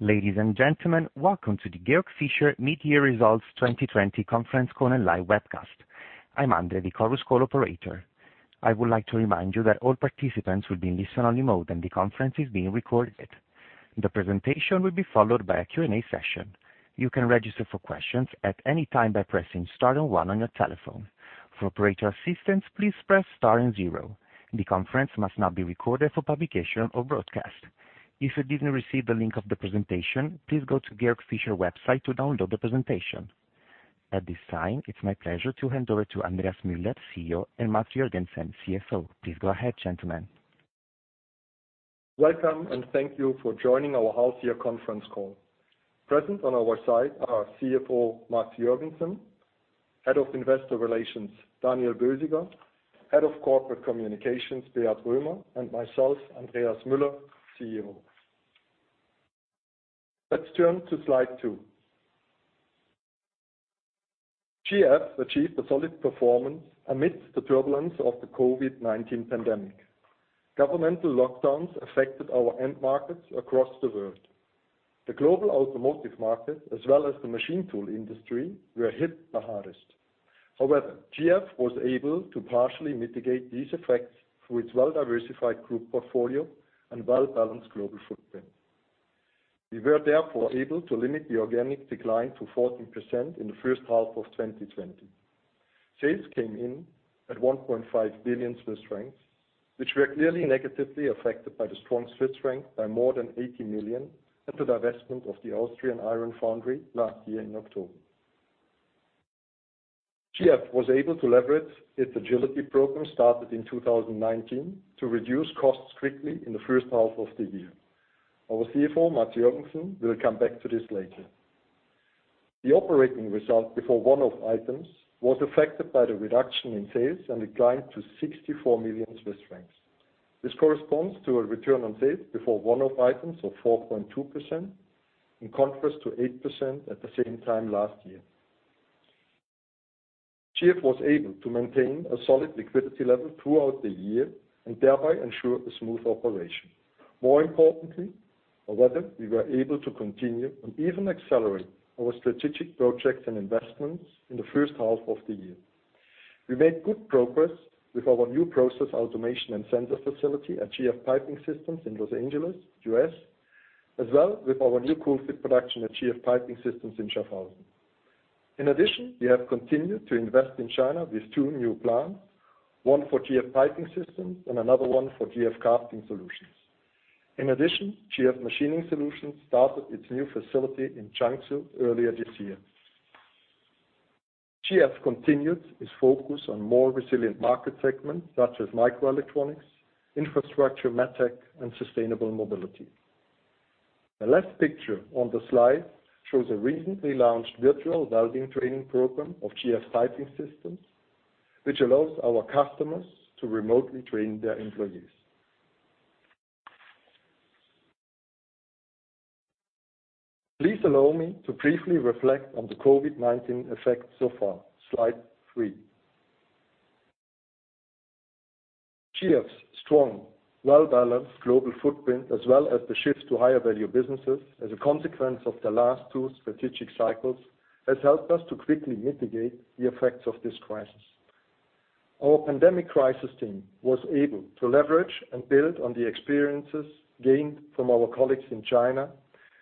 Ladies and gentlemen, welcome to the Georg Fischer Mid-Year Results 2020 conference call and live webcast. I'm Andre, the Chorus Call operator. I would like to remind you that all participants will be in listen-only mode, and the conference is being recorded. The presentation will be followed by a Q&A session. You can register for questions at any time by pressing star and one on your telephone. For operator assistance, please press star and zero. The conference must not be recorded for publication or broadcast. If you didn't receive the link of the presentation, please go to Georg Fischer website to download the presentation. At this time, it's my pleasure to hand over to Andreas Müller, CEO, and Mads Jørgensen, CFO. Please go ahead, gentlemen. Welcome, thank you for joining our half-year conference call. Present on our side are CFO Mads Jørgensen, Head of Investor Relations Daniel Bösiger, Head of Corporate Communications Beat Römer, and myself, Andreas Müller, CEO. Let's turn to slide two. GF achieved a solid performance amidst the turbulence of the COVID-19 pandemic. Governmental lockdowns affected our end markets across the world. The global automotive market, as well as the machine tool industry, were hit the hardest. However, GF was able to partially mitigate these effects through its well-diversified group portfolio and well-balanced global footprint. We were therefore able to limit the organic decline to 14% in the first half of 2020. Sales came in at 1.5 billion Swiss francs, which were clearly negatively affected by the strong Swiss franc by more than 80 million, and the divestment of the Austrian iron foundry last year in October. GF was able to leverage its agility program started in 2019 to reduce costs quickly in the first half of the year. Our CFO, Mads Jørgensen, will come back to this later. The operating result before one-off items was affected by the reduction in sales and declined to 64 million Swiss francs. This corresponds to a return on sales before one-off items of 4.2%, in contrast to 8% at the same time last year. GF was able to maintain a solid liquidity level throughout the year and thereby ensure a smooth operation. More importantly, however, we were able to continue and even accelerate our strategic projects and investments in the first half of the year. We made good progress with our new process automation and sensor facility at GF Piping Systems in Los Angeles, U.S., as well as with our new COOL-FIT production at GF Piping Systems in Schaffhausen. In addition, we have continued to invest in China with two new plants, one for GF Piping Systems and another one for GF Casting Solutions. In addition, GF Machining Solutions started its new facility in Changzhou earlier this year. GF continued its focus on more resilient market segments such as microelectronics, infrastructure, MedTech, and sustainable mobility. The last picture on the slide shows a recently launched virtual welding training program of GF Piping Systems, which allows our customers to remotely train their employees. Please allow me to briefly reflect on the COVID-19 effect so far. Slide three. GF's strong, well-balanced global footprint, as well as the shift to higher-value businesses as a consequence of the last two strategic cycles, has helped us to quickly mitigate the effects of this crisis. Our pandemic crisis team was able to leverage and build on the experiences gained from our colleagues in China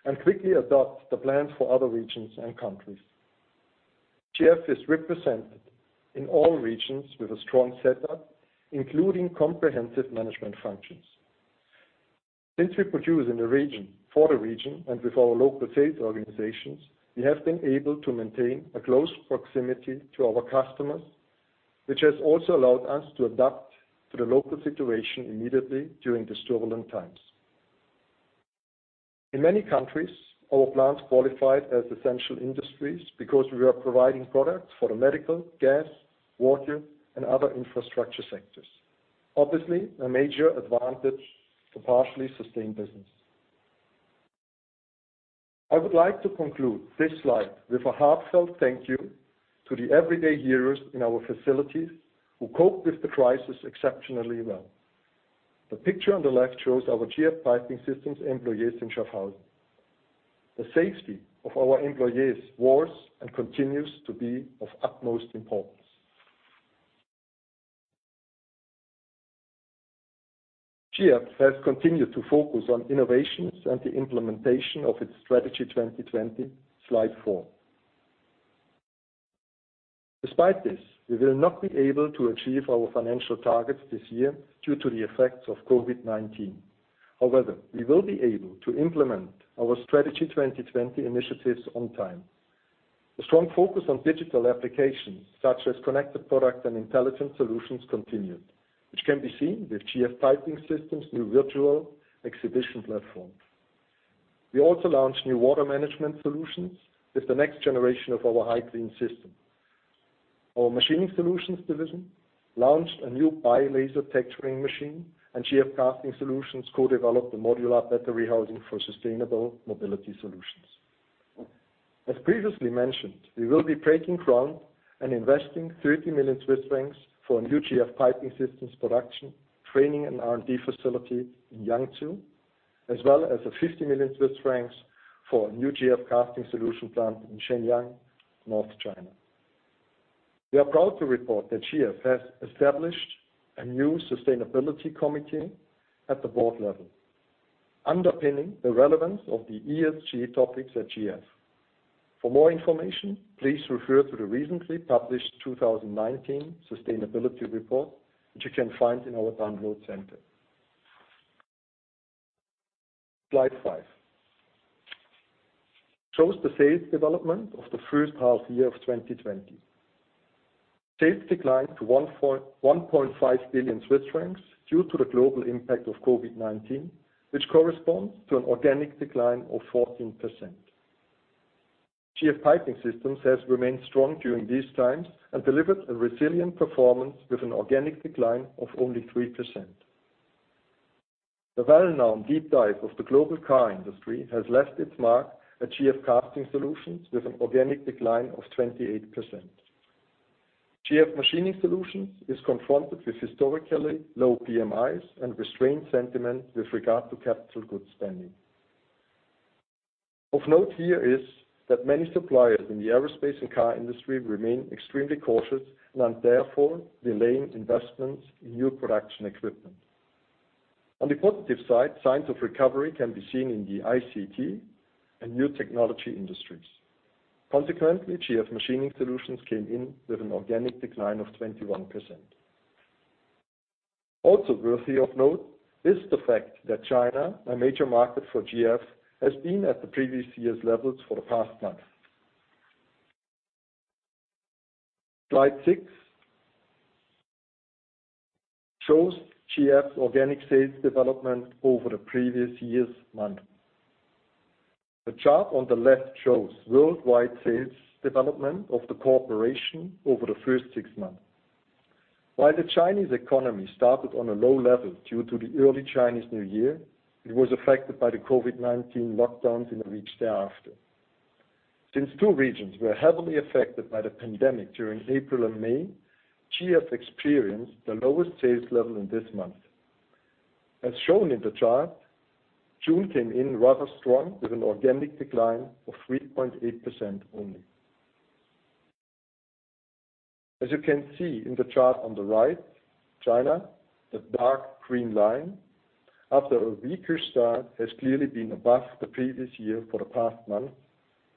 and quickly adopt the plans for other regions and countries. GF is represented in all regions with a strong setup, including comprehensive management functions. Since we produce in the region, for the region, and with our local sales organizations, we have been able to maintain a close proximity to our customers, which has also allowed us to adapt to the local situation immediately during these turbulent times. In many countries, our plants qualified as essential industries because we were providing products for the medical, gas, water, and other infrastructure sectors. Obviously, a major advantage to partially sustain business. I would like to conclude this slide with a heartfelt thank you to the everyday heroes in our facilities who coped with the crisis exceptionally well. The picture on the left shows our GF Piping Systems employees in Schaffhausen. The safety of our employees was and continues to be of utmost importance. GF has continued to focus on innovations and the implementation of its Strategy 2020. Slide four. Despite this, we will not be able to achieve our financial targets this year due to the effects of COVID-19. However, we will be able to implement our Strategy 2020 initiatives on time. A strong focus on digital applications such as connected products and intelligent solutions continued, which can be seen with GF Piping Systems' new virtual exhibition platform. We also launched new water management solutions with the next generation of our Hycleen system. Our Machining Solutions division launched a new bi-laser texturing machine, and GF Casting Solutions co-developed the modular battery housing for sustainable mobility solutions. As previously mentioned, we will be breaking ground and investing 30 million Swiss francs for a new GF Piping Systems production, training, and R&D facility in Yangzhou, as well as 50 million Swiss francs for a new GF Casting Solutions plant in Shenyang, North China. We are proud to report that GF has established a new sustainability committee at the board level, underpinning the relevance of the ESG topics at GF. For more information, please refer to the recently published 2019 sustainability report, which you can find in our download center. Slide five shows the sales development of the first half year of 2020. Sales declined to 1.5 billion Swiss francs due to the global impact of COVID-19, which corresponds to an organic decline of 14%. GF Piping Systems has remained strong during these times, and delivered a resilient performance with an organic decline of only 3%. The well-known deep dive of the global car industry has left its mark at GF Casting Solutions, with an organic decline of 28%. GF Machining Solutions is confronted with historically low PMIs and restrained sentiment with regard to capital goods spending. Of note here is that many suppliers in the aerospace and car industry remain extremely cautious and are therefore delaying investments in new production equipment. On the positive side, signs of recovery can be seen in the ICT and new technology industries. Consequently, GF Machining Solutions came in with an organic decline of 21%. Also worthy of note is the fact that China, a major market for GF, has been at the previous year's levels for the past month. Slide six shows GF's organic sales development over the previous year's month. The chart on the left shows worldwide sales development of the corporation over the first six months. While the Chinese economy started on a low level due to the early Chinese New Year, it was affected by the COVID-19 lockdowns in the weeks thereafter. Since two regions were heavily affected by the pandemic during April and May, GF experienced the lowest sales level in this month. As shown in the chart, June came in rather strong with an organic decline of 3.8% only. You can see in the chart on the right, China, the dark green line, after a weaker start, has clearly been above the previous year for the past month,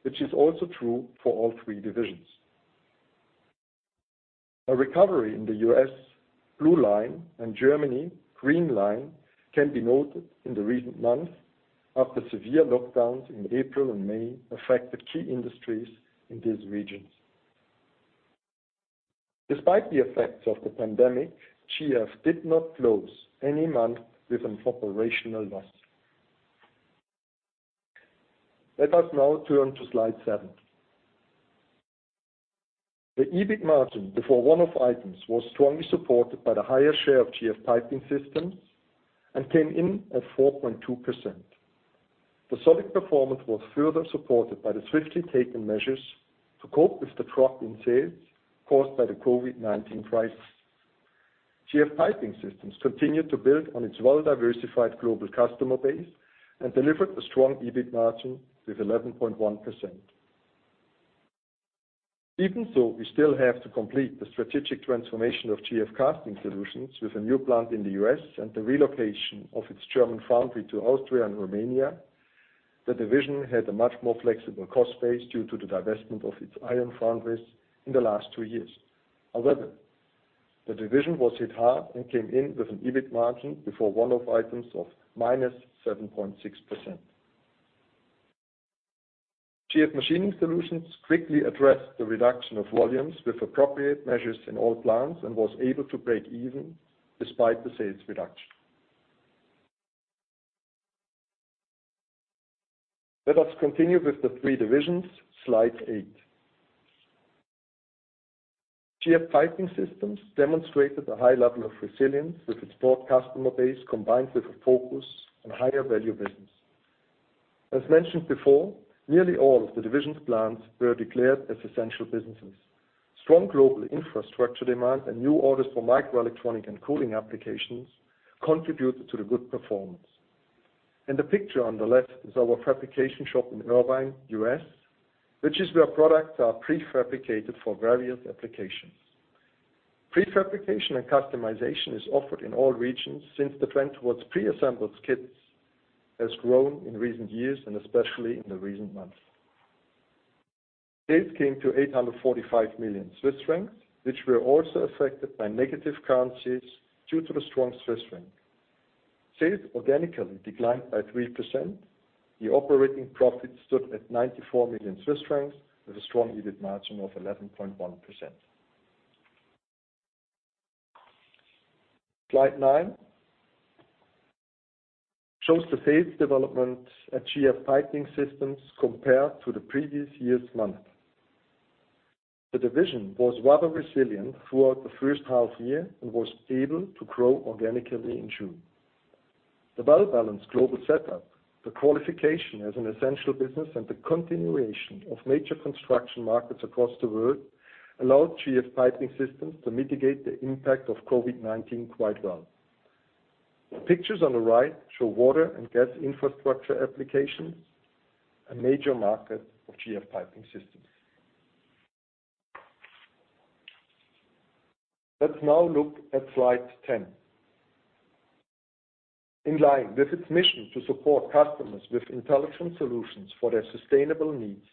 which is also true for all three divisions. A recovery in the U.S., blue line, and Germany, green line, can be noted in the recent months after severe lockdowns in April and May affected key industries in these regions. Despite the effects of the pandemic, GF did not close any month with an operational loss. Let us now turn to slide seven. The EBIT margin before one-off items was strongly supported by the higher share of GF Piping Systems and came in at 4.2%. The solid performance was further supported by the swiftly-taken measures to cope with the drop in sales caused by the COVID-19 crisis. GF Piping Systems continued to build on its well-diversified global customer base and delivered a strong EBIT margin with 11.1%. Even though we still have to complete the strategic transformation of GF Casting Solutions with a new plant in the U.S. and the relocation of its German foundry to Austria and Romania, the division had a much more flexible cost base due to the divestment of its iron foundries in the last two years. However, the division was hit hard and came in with an EBIT margin before one-off items of -7.6%. GF Machining Solutions quickly addressed the reduction of volumes with appropriate measures in all plants and was able to break even despite the sales reduction. Let us continue with the three divisions. Slide eight. GF Piping Systems demonstrated a high level of resilience with its broad customer base, combined with a focus on higher-value business. As mentioned before, nearly all of the division's plants were declared as essential businesses. Strong global infrastructure demand and new orders for microelectronic and cooling applications contributed to the good performance. In the picture on the left is our fabrication shop in Irvine, U.S., which is where products are pre-fabricated for various applications. Pre-fabrication and customization is offered in all regions, since the trend towards pre-assembled kits has grown in recent years and especially in the recent months. Sales came to 845 million Swiss francs, which were also affected by negative currencies due to the strong Swiss franc. Sales organically declined by 3%. The operating profit stood at 94 million Swiss francs, with a strong EBIT margin of 11.1%. Slide nine shows the sales development at GF Piping Systems compared to the previous year's month. The division was rather resilient throughout the first half year and was able to grow organically in June. The well-balanced global setup, the qualification as an essential business, and the continuation of major construction markets across the world allowed GF Piping Systems to mitigate the impact of COVID-19 quite well. The pictures on the right show water and gas infrastructure applications, a major market for GF Piping Systems. Let's now look at slide 10. In line with its mission to support customers with intelligent solutions for their sustainable needs,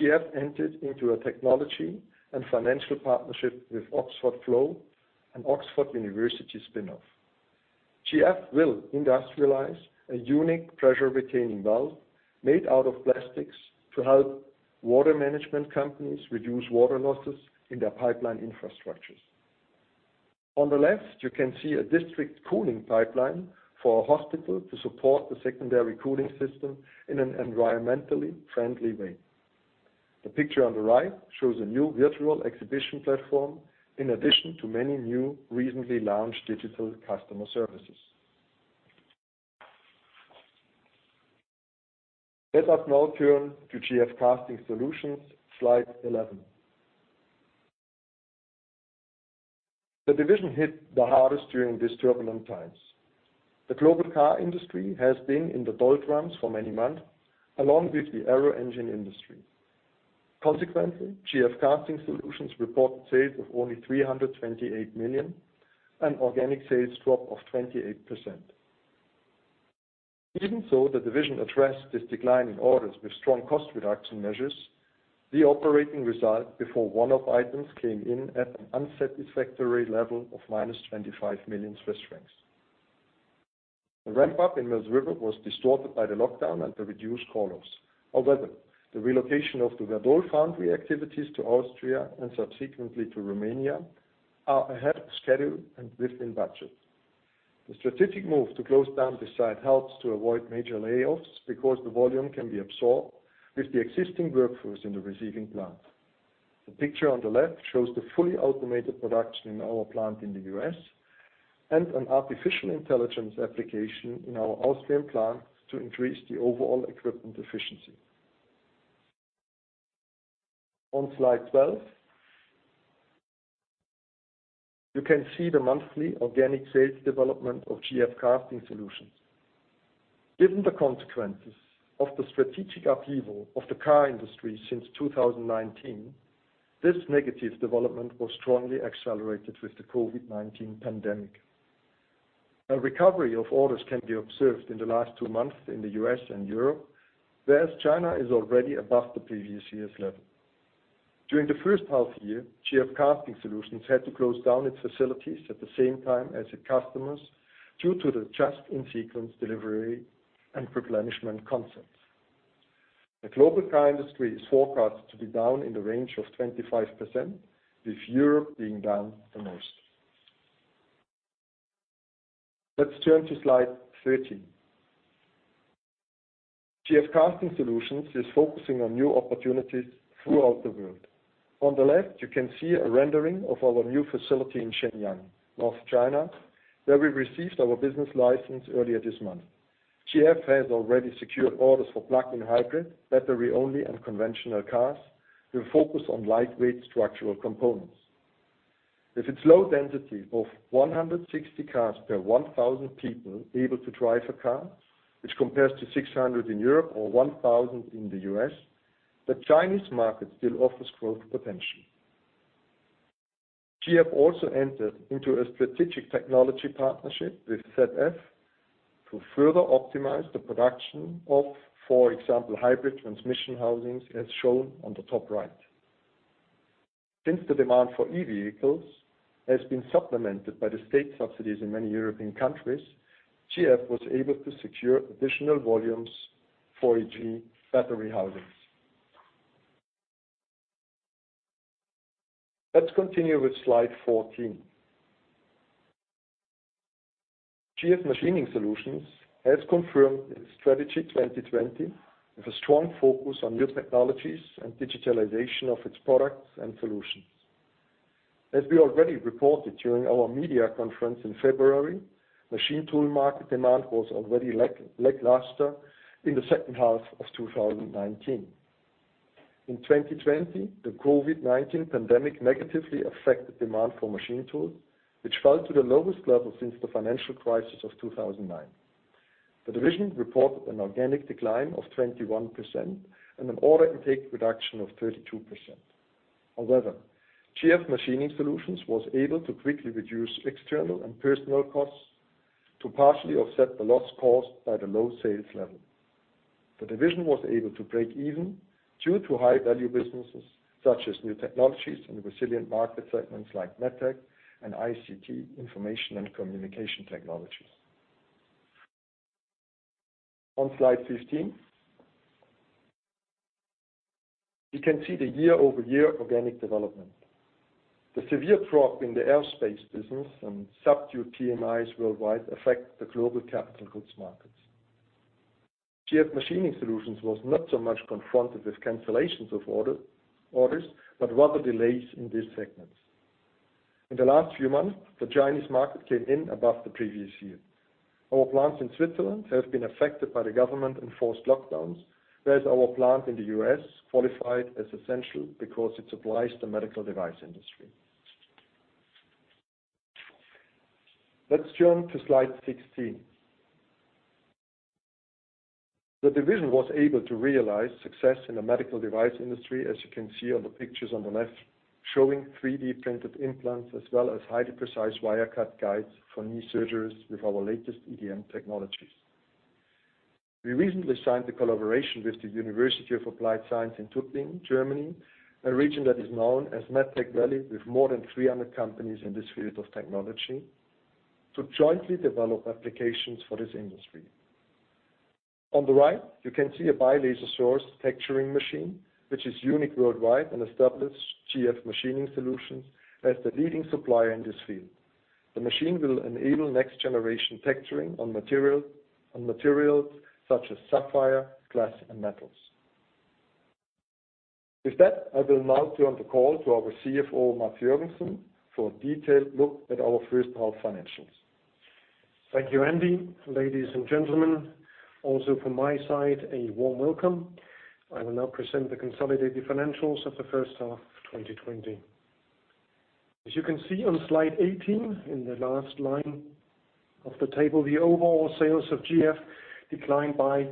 GF entered into a technology and financial partnership with Oxford Flow, an Oxford University spinoff. GF will industrialize a unique pressure-retaining valve made out of plastics to help water management companies reduce water losses in their pipeline infrastructures. On the left, you can see a district cooling pipeline for a hospital to support the secondary cooling system in an environmentally friendly way. The picture on the right shows a new virtual exhibition platform in addition to many new recently launched digital customer services. Let us now turn to GF Casting Solutions, slide 11. The division hit the hardest during these turbulent times. The global car industry has been in the doldrums for many months, along with the aero-engine industry. Consequently, GF Casting Solutions reported sales of only 328 million, an organic sales drop of 28%. Even so, the division addressed this decline in orders with strong cost reduction measures. The operating result before one-off items came in at an unsatisfactory level of minus 25 million Swiss francs. The ramp-up in Mills River was distorted by the lockdown and the reduced call-offs. The relocation of the Werdohl foundry activities to Austria and subsequently to Romania are ahead of schedule and within budget. The strategic move to close down this site helps to avoid major layoffs because the volume can be absorbed with the existing workforce in the receiving plant. The picture on the left shows the fully automated production in our plant in the U.S. and an artificial intelligence application in our Austrian plant to increase the overall equipment efficiency. On slide 12, you can see the monthly organic sales development of GF Casting Solutions. Given the consequences of the strategic upheaval of the car industry since 2019, this negative development was strongly accelerated with the COVID-19 pandemic. A recovery of orders can be observed in the last two months in the U.S. and Europe, whereas China is already above the previous year's level. During the first half year, GF Casting Solutions had to close down its facilities at the same time as its customers due to the just-in-sequence delivery and replenishment concepts. The global car industry is forecasted to be down in the range of 25%, with Europe being down the most. Let's turn to slide 13. GF Casting Solutions is focusing on new opportunities throughout the world. On the left, you can see a rendering of our new facility in Shenyang, North China, where we received our business license earlier this month. GF has already secured orders for plug-in hybrid, battery only, and conventional cars with a focus on lightweight structural components. With its low density of 160 cars per 1,000 people able to drive a car, which compares to 600 in Europe or 1,000 in the U.S., the Chinese market still offers growth potential. GF also entered into a strategic technology partnership with ZF to further optimize the production of, for example, hybrid transmission housings, as shown on the top right. Since the demand for e-vehicles has been supplemented by the state subsidies in many European countries, GF was able to secure additional volumes for e-battery housings. Let's continue with slide 14. GF Machining Solutions has confirmed its Strategy 2020 with a strong focus on new technologies and digitalization of its products and solutions. As we already reported during our media conference in February, machine tool market demand was already lackluster in the second half of 2019. In 2020, the COVID-19 pandemic negatively affected demand for machine tools, which fell to the lowest level since the financial crisis of 2009. The division reported an organic decline of 21% and an order intake reduction of 32%. However, GF Machining Solutions was able to quickly reduce external and personal costs to partially offset the loss caused by the low sales level. The division was able to break even due to high-value businesses such as new technologies and resilient market segments like MedTech and ICT, Information and Communication Technologies. On slide 15, you can see the year-over-year organic development. The severe drop in the aerospace business and subdued PMIs worldwide affect the global capital goods markets. GF Machining Solutions was not so much confronted with cancellations of orders, but rather delays in these segments. In the last few months, the Chinese market came in above the previous year. Our plants in Switzerland have been affected by the government-enforced lockdowns, whereas our plant in the U.S. qualified as essential because it supplies the medical device industry. Let's turn to slide 16. The division was able to realize success in the medical device industry, as you can see on the pictures on the left, showing 3D-printed implants, as well as highly precise wire cut guides for knee surgeries with our latest EDM technologies. We recently signed a collaboration with the University of Applied Sciences in Tuttlingen, Germany, a region that is known as MedTech Valley, with more than 300 companies in this field of technology, to jointly develop applications for this industry. On the right, you can see a bi-laser source texturing machine, which is unique worldwide and establishes GF Machining Solutions as the leading supplier in this field. The machine will enable next-generation texturing on materials such as sapphire, glass, and metals. With that, I will now turn the call to our CFO, Mads Jørgensen, for a detailed look at our first-half financials. Thank you, Andy. Ladies and gentlemen, also from my side, a warm welcome. I will now present the consolidated financials of the first half of 2020. As you can see on slide 18, in the last line of the table, the overall sales of GF declined by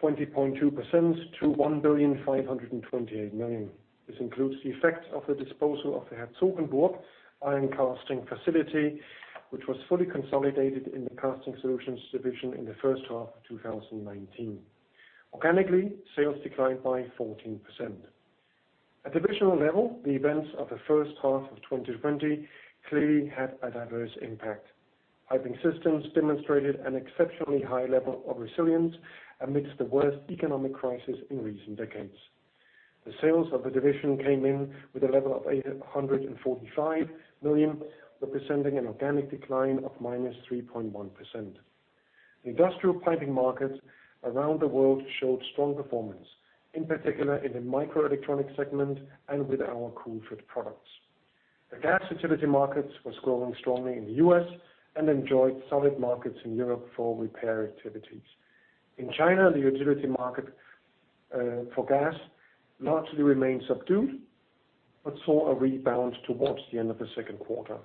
20.2% to 1,528,000,000. This includes the effect of the disposal of the Herzogenaurach iron casting facility, which was fully consolidated in the GF Casting Solutions division in the first half of 2019. Organically, sales declined by 14%. At divisional level, the events of the first half of 2020 clearly had a diverse impact. GF Piping Systems demonstrated an exceptionally high level of resilience amidst the worst economic crisis in recent decades. The sales of the division came in with a level of 845 million, representing an organic decline of -3.1%. The industrial piping markets around the world showed strong performance, in particular in the microelectronics segment and with our COOL-FIT products. The gas utility markets was growing strongly in the U.S. and enjoyed solid markets in Europe for repair activities. In China, the utility market for gas largely remained subdued, but saw a rebound towards the end of the second quarter.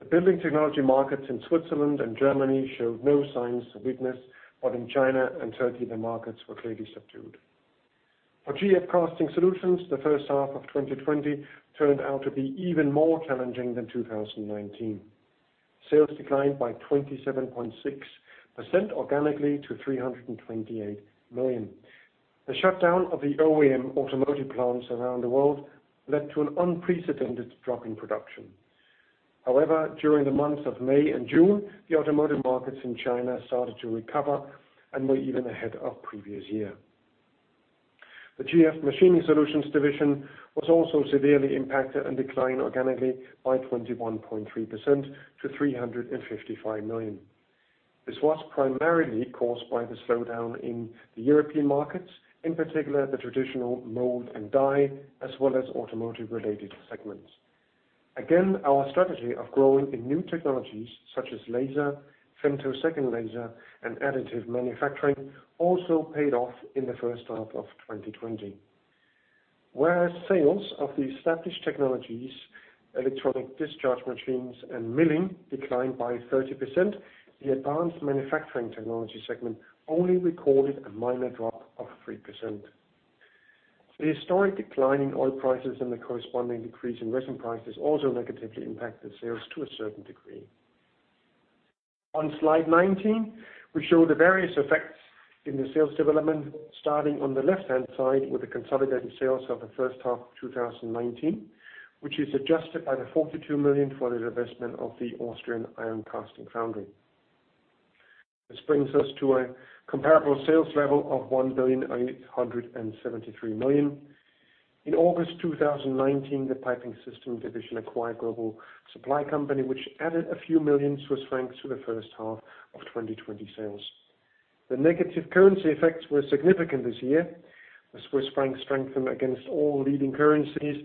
The building technology markets in Switzerland and Germany showed no signs of weakness, but in China and Turkey, the markets were clearly subdued. For GF Casting Solutions, the first half of 2020 turned out to be even more challenging than 2019. Sales declined by 27.6% organically to 328 million. The shutdown of the OEM automotive plants around the world led to an unprecedented drop in production. However, during the months of May and June, the automotive markets in China started to recover and were even ahead of previous year. The GF Machining Solutions division was also severely impacted and declined organically by 21.3% to 355 million. This was primarily caused by the slowdown in the European markets, in particular the traditional mold and die, as well as automotive-related segments. Again, our strategy of growing in new technologies such as laser, femtosecond laser, and additive manufacturing also paid off in the first half of 2020. Whereas sales of the established technologies, electrical discharge machines, and milling declined by 30%, the advanced manufacturing technology segment only recorded a minor drop of 3%. The historic decline in oil prices and the corresponding decrease in resin prices also negatively impacted sales to a certain degree. On slide 19, we show the various effects in the sales development, starting on the left-hand side with the consolidated sales of the first half of 2019, which is adjusted by the 42 million for the divestment of the Austrian iron casting foundry. This brings us to a comparable sales level of 1.873 billion. In August 2019, the Piping Systems division acquired a global supply company, which added a few million Swiss francs to the first half of 2020 sales. The negative currency effects were significant this year. The Swiss franc strengthened against all leading currencies,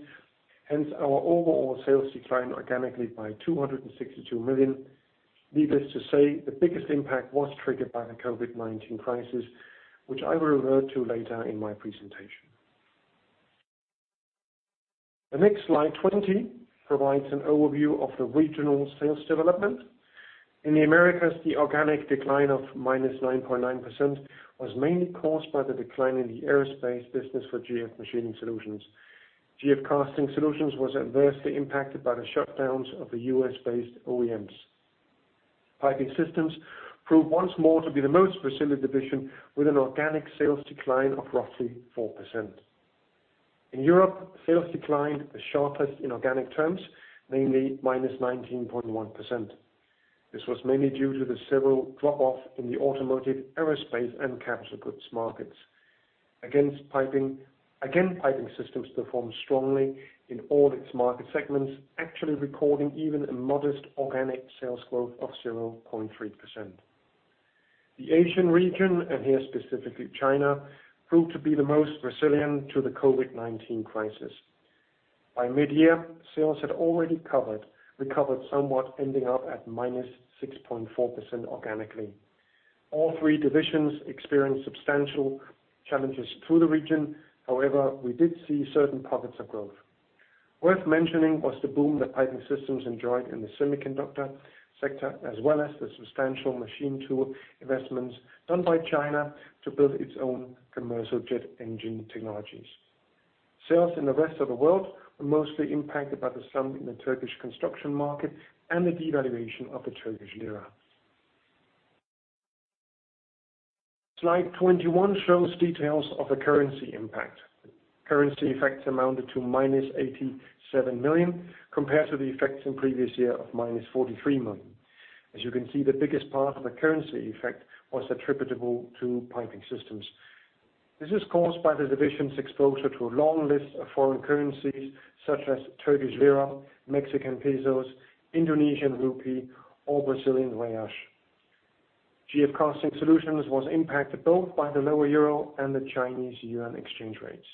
hence our overall sales declined organically by 262 million. Needless to say, the biggest impact was triggered by the COVID-19 crisis, which I will revert to later in my presentation. The next slide 20 provides an overview of the regional sales development. In the Americas, the organic decline of -9.9% was mainly caused by the decline in the aerospace business for GF Machining Solutions. GF Casting Solutions was adversely impacted by the shutdowns of the U.S.-based OEMs. Piping Systems proved once more to be the most resilient division, with an organic sales decline of roughly 4%. In Europe, sales declined the sharpest in organic terms, namely -19.1%. This was mainly due to the several drop-offs in the automotive, aerospace, and capital goods markets. Piping Systems performed strongly in all its market segments, actually recording even a modest organic sales growth of 0.3%. The Asian region, and here specifically China, proved to be the most resilient to the COVID-19 crisis. By mid-year, sales had already recovered somewhat, ending up at -6.4% organically. All three divisions experienced substantial challenges through the region. However, we did see certain pockets of growth. Worth mentioning was the boom that GF Piping Systems enjoyed in the semiconductor sector, as well as the substantial machine tool investments done by China to build its own commercial jet engine technologies. Sales in the rest of the world were mostly impacted by the slump in the Turkish construction market and the devaluation of the Turkish lira. Slide 21 shows details of the currency impact. Currency effects amounted to minus 87 million, compared to the effects in previous year of minus 43 million. As you can see, the biggest part of the currency effect was attributable to GF Piping Systems. This is caused by the division's exposure to a long list of foreign currencies such as Turkish lira, Mexican pesos, Indonesian rupiah, or Brazilian reais. GF Casting Solutions was impacted both by the lower EUR and the CNY exchange rates.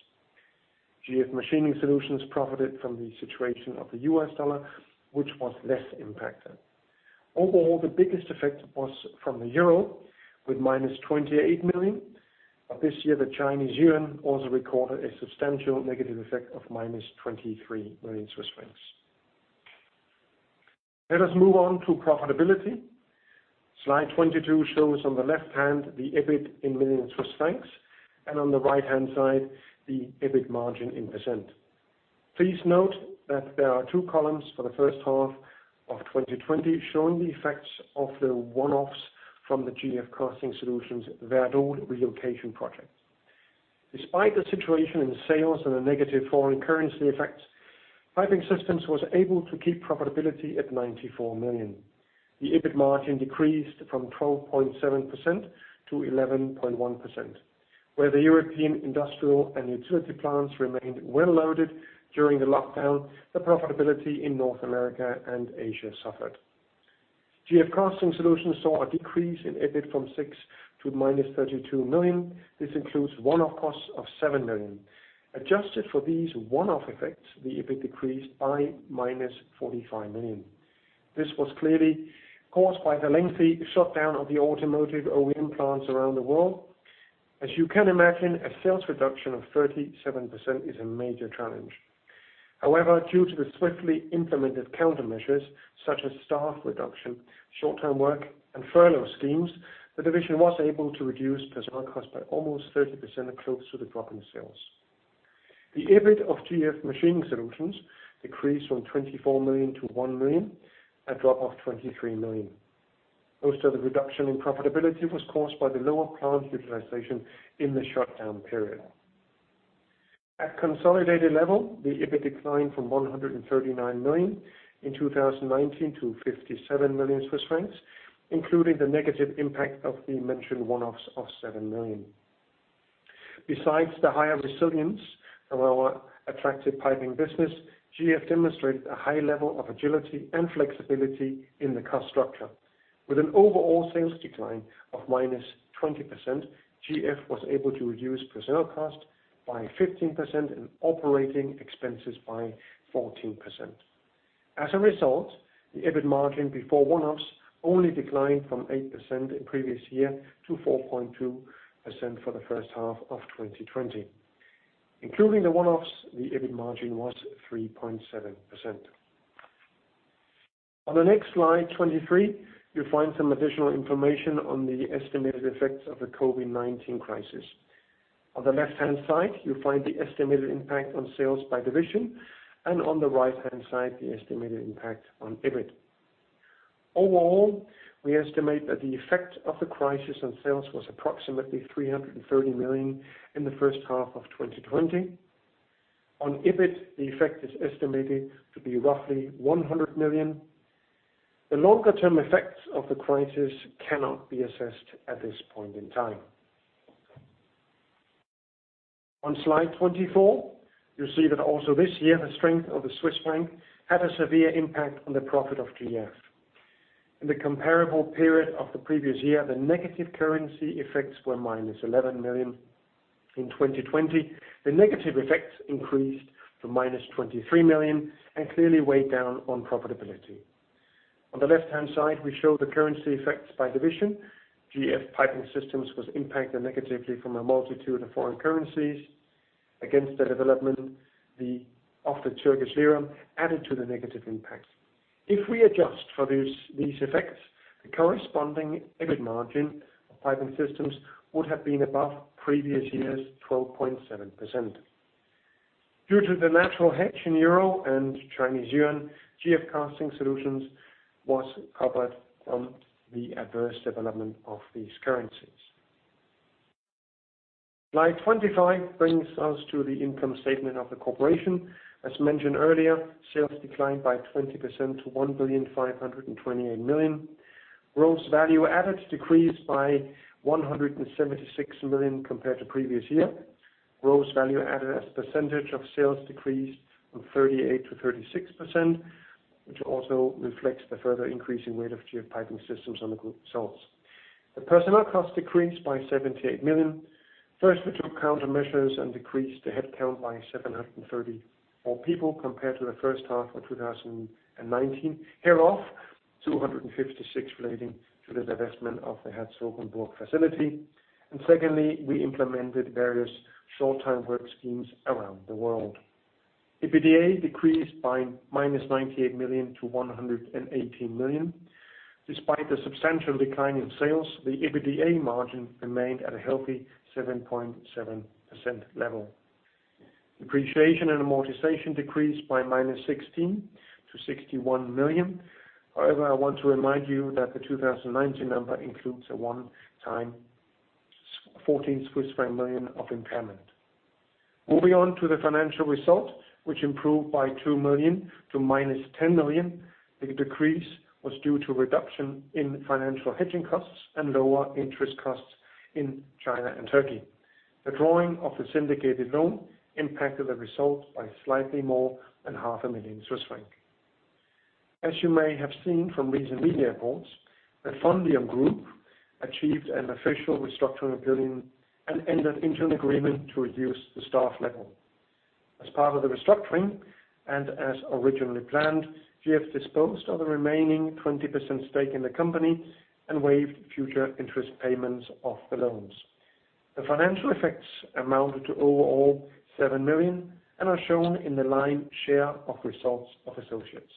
GF Machining Solutions profited from the situation of the US dollar, which was less impacted. Overall, the biggest effect was from the euro, with minus 28 million. This year, the Chinese yuan also recorded a substantial negative effect of minus 23 million Swiss francs. Let us move on to profitability. Slide 22 shows on the left hand, the EBIT in million CHF, and on the right-hand side, the EBIT margin in %. Please note that there are two columns for the first half of 2020 showing the effects of the one-offs from the GF Casting Solutions Werdohl relocation project. Despite the situation in sales and the negative foreign currency effects, Piping Systems was able to keep profitability at 94 million. The EBIT margin decreased from 12.7% to 11.1%. Where the European industrial and utility plants remained well loaded during the lockdown, the profitability in North America and Asia suffered. GF Casting Solutions saw a decrease in EBIT from 6 million to minus 32 million. This includes one-off costs of 7 million. Adjusted for these one-off effects, the EBIT decreased by minus 45 million. This was clearly caused by the lengthy shutdown of the automotive OEM plants around the world. As you can imagine, a sales reduction of 37% is a major challenge. However, due to the swiftly implemented countermeasures such as staff reduction, short-term work, and furlough schemes, the division was able to reduce personnel costs by almost 30%, close to the drop in sales. The EBIT of GF Machining Solutions decreased from 24 million to 1 million, a drop of 23 million. Most of the reduction in profitability was caused by the lower plant utilization in the shutdown period. At consolidated level, the EBIT declined from 139 million in 2019 to 57 million Swiss francs, including the negative impact of the mentioned one-offs of 7 million. Besides the higher resilience of our attractive piping business, GF demonstrated a high level of agility and flexibility in the cost structure. With an overall sales decline of minus 20%, GF was able to reduce personnel cost by 15% and operating expenses by 14%. As a result, the EBIT margin before one-offs only declined from 8% in previous year to 4.2% for the first half of 2020. Including the one-offs, the EBIT margin was 3.7%. On the next slide, 23, you'll find some additional information on the estimated effects of the COVID-19 crisis. On the left-hand side, you'll find the estimated impact on sales by division, and on the right-hand side, the estimated impact on EBIT. Overall, we estimate that the effect of the crisis on sales was approximately 330 million in the first half of 2020. On EBIT, the effect is estimated to be roughly 100 million. The longer-term effects of the crisis cannot be assessed at this point in time. On slide 24, you'll see that also this year, the strength of the Swiss franc had a severe impact on the profit of GF. In the comparable period of the previous year, the negative currency effects were minus 11 million. In 2020, the negative effects increased to minus 23 million and clearly weighed down on profitability. On the left-hand side, we show the currency effects by division. GF Piping Systems was impacted negatively from a multitude of foreign currencies. Against the development, the Turkish lira added to the negative impact. If we adjust for these effects, the corresponding EBIT margin of Piping Systems would have been above previous year's 12.7%. Due to the natural hedge in EUR and CNY, GF Casting Solutions was covered from the adverse development of these currencies. Slide 25 brings us to the income statement of the corporation. As mentioned earlier, sales declined by 20% to 1,528 million. Gross value added decreased by 176 million compared to previous year. Gross value added as % of sales decreased from 38%-36%, which also reflects the further increase in weight of GF Piping Systems on the group sales. The personnel costs decreased by 78 million. First, we took countermeasures and decreased the headcount by 730 people compared to the first half of 2019. Hereof, 256 relating to the divestment of the Herzogenburg facility. Secondly, we implemented various short-time work schemes around the world. EBITDA decreased by -98 million to 118 million. Despite the substantial decline in sales, the EBITDA margin remained at a healthy 7.7% level. Depreciation and amortization decreased by -16 to 61 million. However, I want to remind you that the 2019 number includes a one-time 14 million Swiss franc of impairment. Moving on to the financial result, which improved by 2 million to -10 million. The decrease was due to reduction in financial hedging costs and lower interest costs in China and Turkey. The drawing of the syndicated loan impacted the result by slightly more than half a million CHF. As you may have seen from recent media reports, the Fondium Group achieved an official restructuring of billing and entered into an agreement to reduce the staff level. As part of the restructuring, as originally planned, GF disposed of the remaining 20% stake in the company and waived future interest payments of the loans. The financial effects amounted to overall 7 million and are shown in the line share of results of associates.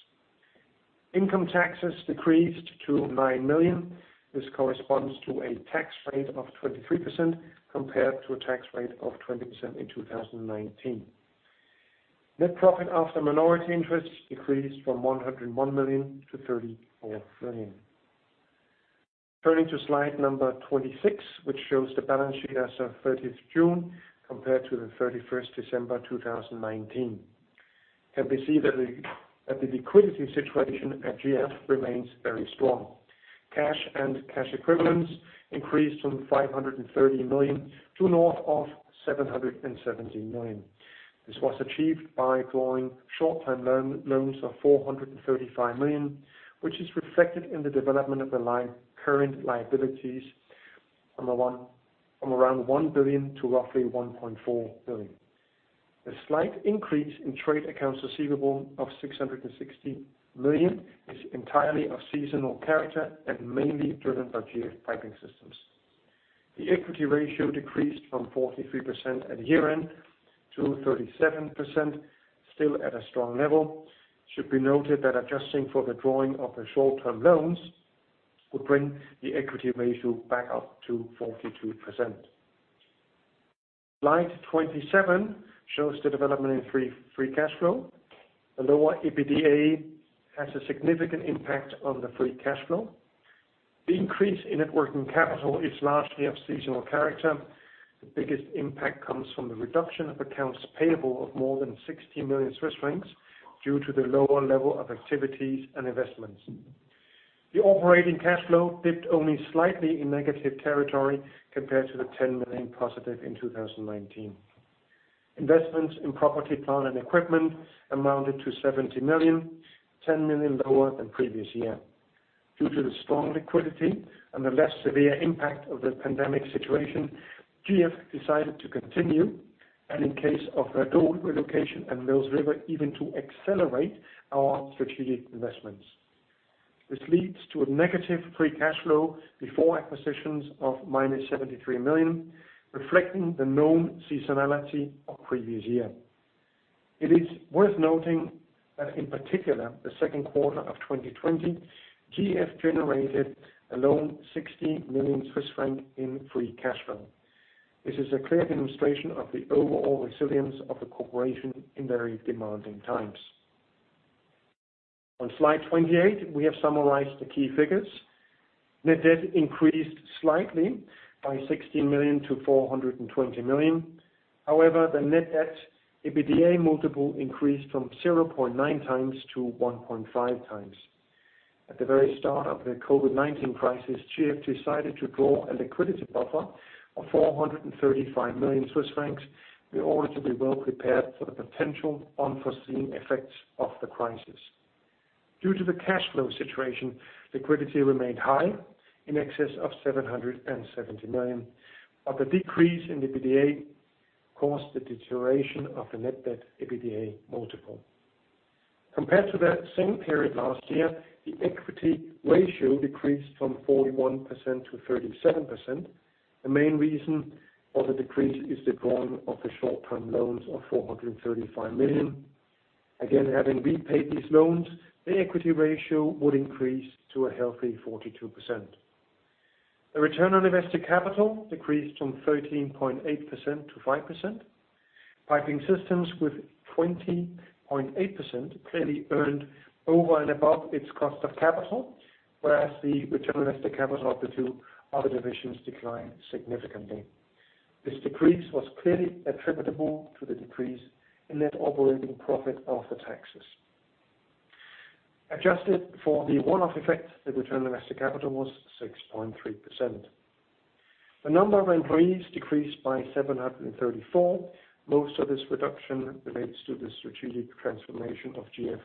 Income taxes decreased to 9 million. This corresponds to a tax rate of 23% compared to a tax rate of 20% in 2019. Net profit after minority interest decreased from 101 million to 34 million. Turning to slide number 26, which shows the balance sheet as of 30th June compared to the 31st December 2019. Can we see that the liquidity situation at GF remains very strong. Cash and cash equivalents increased from 530 million to north of 770 million. This was achieved by drawing short-term loans of 435 million, which is reflected in the development of the line current liabilities from around 1 billion to roughly 1.4 billion. A slight increase in trade accounts receivable of 660 million is entirely of seasonal character and mainly driven by GF Piping Systems. The equity ratio decreased from 43% at year-end to 37%, still at a strong level. Should be noted that adjusting for the drawing of the short-term loans would bring the equity ratio back up to 42%. Slide 27 shows the development in free cash flow. The lower EBITDA has a significant impact on the free cash flow. The increase in net working capital is largely of seasonal character. The biggest impact comes from the reduction of accounts payable of more than 60 million Swiss francs due to the lower level of activities and investments. The operating cash flow dipped only slightly in negative territory compared to the 10 million positive in 2019. Investments in property, plant, and equipment amounted to 70 million, 10 million lower than previous year. Due to the strong liquidity and the less severe impact of the pandemic situation, GF decided to continue, and in case of the Werdohl relocation and Mills River, even to accelerate our strategic investments. This leads to a negative free cash flow before acquisitions of minus 73 million, reflecting the known seasonality of previous year. It is worth noting that, in particular, the second quarter of 2020, GF generated alone 60 million Swiss francs in free cash flow. This is a clear demonstration of the overall resilience of the corporation in very demanding times. On slide 28, we have summarized the key figures. Net debt increased slightly by 16 million to 420 million. However, the net debt EBITDA multiple increased from 0.9 times to 1.5 times. At the very start of the COVID-19 crisis, GF decided to draw a liquidity buffer of 435 million Swiss francs in order to be well prepared for the potential unforeseen effects of the crisis. Due to the cash flow situation, liquidity remained high, in excess of 770 million, but the decrease in EBITDA caused the deterioration of the net debt EBITDA multiple. Compared to that same period last year, the equity ratio decreased from 41% to 37%. The main reason for the decrease is the drawing of the short-term loans of 435 million. Again, having repaid these loans, the equity ratio would increase to a healthy 42%. The return on invested capital decreased from 13.8% to 5%. GF Piping Systems with 20.8% clearly earned over and above its cost of capital, whereas the return on invested capital of the two other divisions declined significantly. This decrease was clearly attributable to the decrease in net operating profit after taxes. Adjusted for the one-off effect, the return on invested capital was 6.3%. The number of employees decreased by 734. Most of this reduction relates to the strategic transformation of GF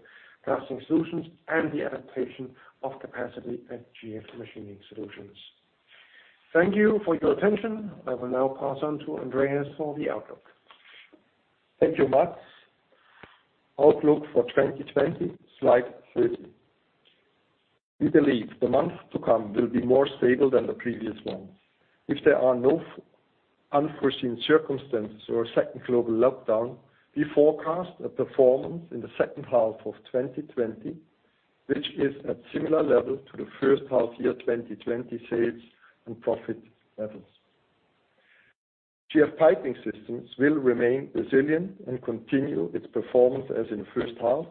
Casting Solutions and the adaptation of capacity at GF Machining Solutions. Thank you for your attention. I will now pass on to Andreas for the outlook. Thank you, Mads. Outlook for 2020, slide 13. We believe the months to come will be more stable than the previous ones. If there are no unforeseen circumstances or a second global lockdown, we forecast a performance in the second half of 2020, which is at similar level to the first half year 2020 sales and profit levels. GF Piping Systems will remain resilient and continue its performance as in the first half.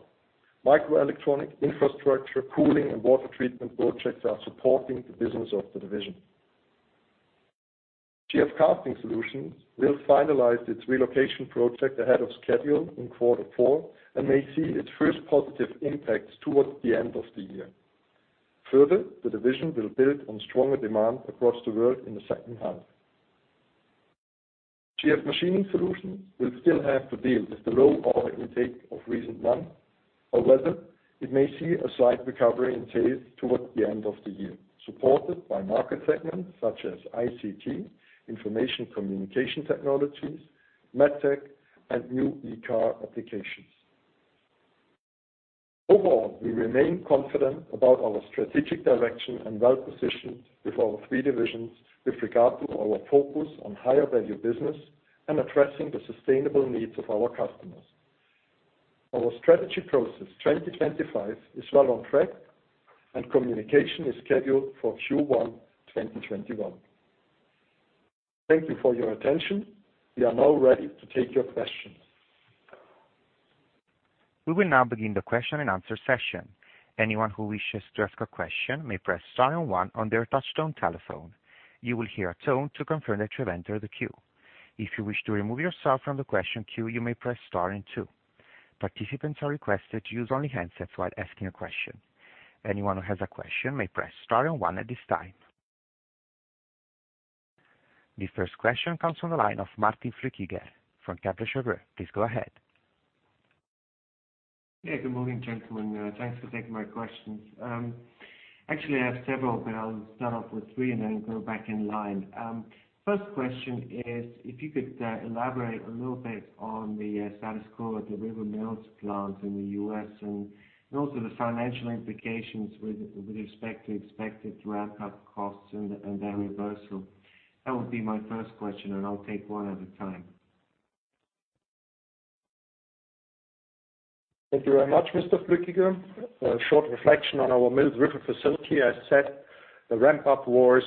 Microelectronic, infrastructure, cooling, and water treatment projects are supporting the business of the division. GF Casting Solutions will finalize its relocation project ahead of schedule in quarter four and may see its first positive impacts towards the end of the year. Further, the division will build on stronger demand across the world in the second half. GF Machining Solutions will still have to deal with the low order intake of recent months. However, it may see a slight recovery in sales towards the end of the year, supported by market segments such as ICT, Information Communication Technologies, MedTech, and new e-car applications. Overall, we remain confident about our strategic direction and well-positioned with our three divisions with regard to our focus on higher-value business and addressing the sustainable needs of our customers. Our strategy process 2025 is well on track, and communication is scheduled for Q1 2021. Thank you for your attention. We are now ready to take your questions. We will now begin the question and answer session. Anyone who wishes to ask a question may press star 1 on their touchtone telephone. You will hear a tone to confirm that you have entered the queue. If you wish to remove yourself from the question queue, you may press star 2. Participants are requested to use only handsets while asking a question. Anyone who has a question may press star 1 at this time. The first question comes from the line of Martin Flückiger from Kepler Cheuvreux. Please go ahead. Hey, good morning, gentlemen. Thanks for taking my questions. Actually, I have several, but I'll start off with three and then go back in line. First question is if you could elaborate a little bit on the status quo at the Mills River plant in the U.S. and also the financial implications with respect to expected ramp-up costs and their reversal. That would be my first question. I'll take one at a time. Thank you very much, Mr. Flückiger. A short reflection on our Mills River facility. As said, the ramp-up was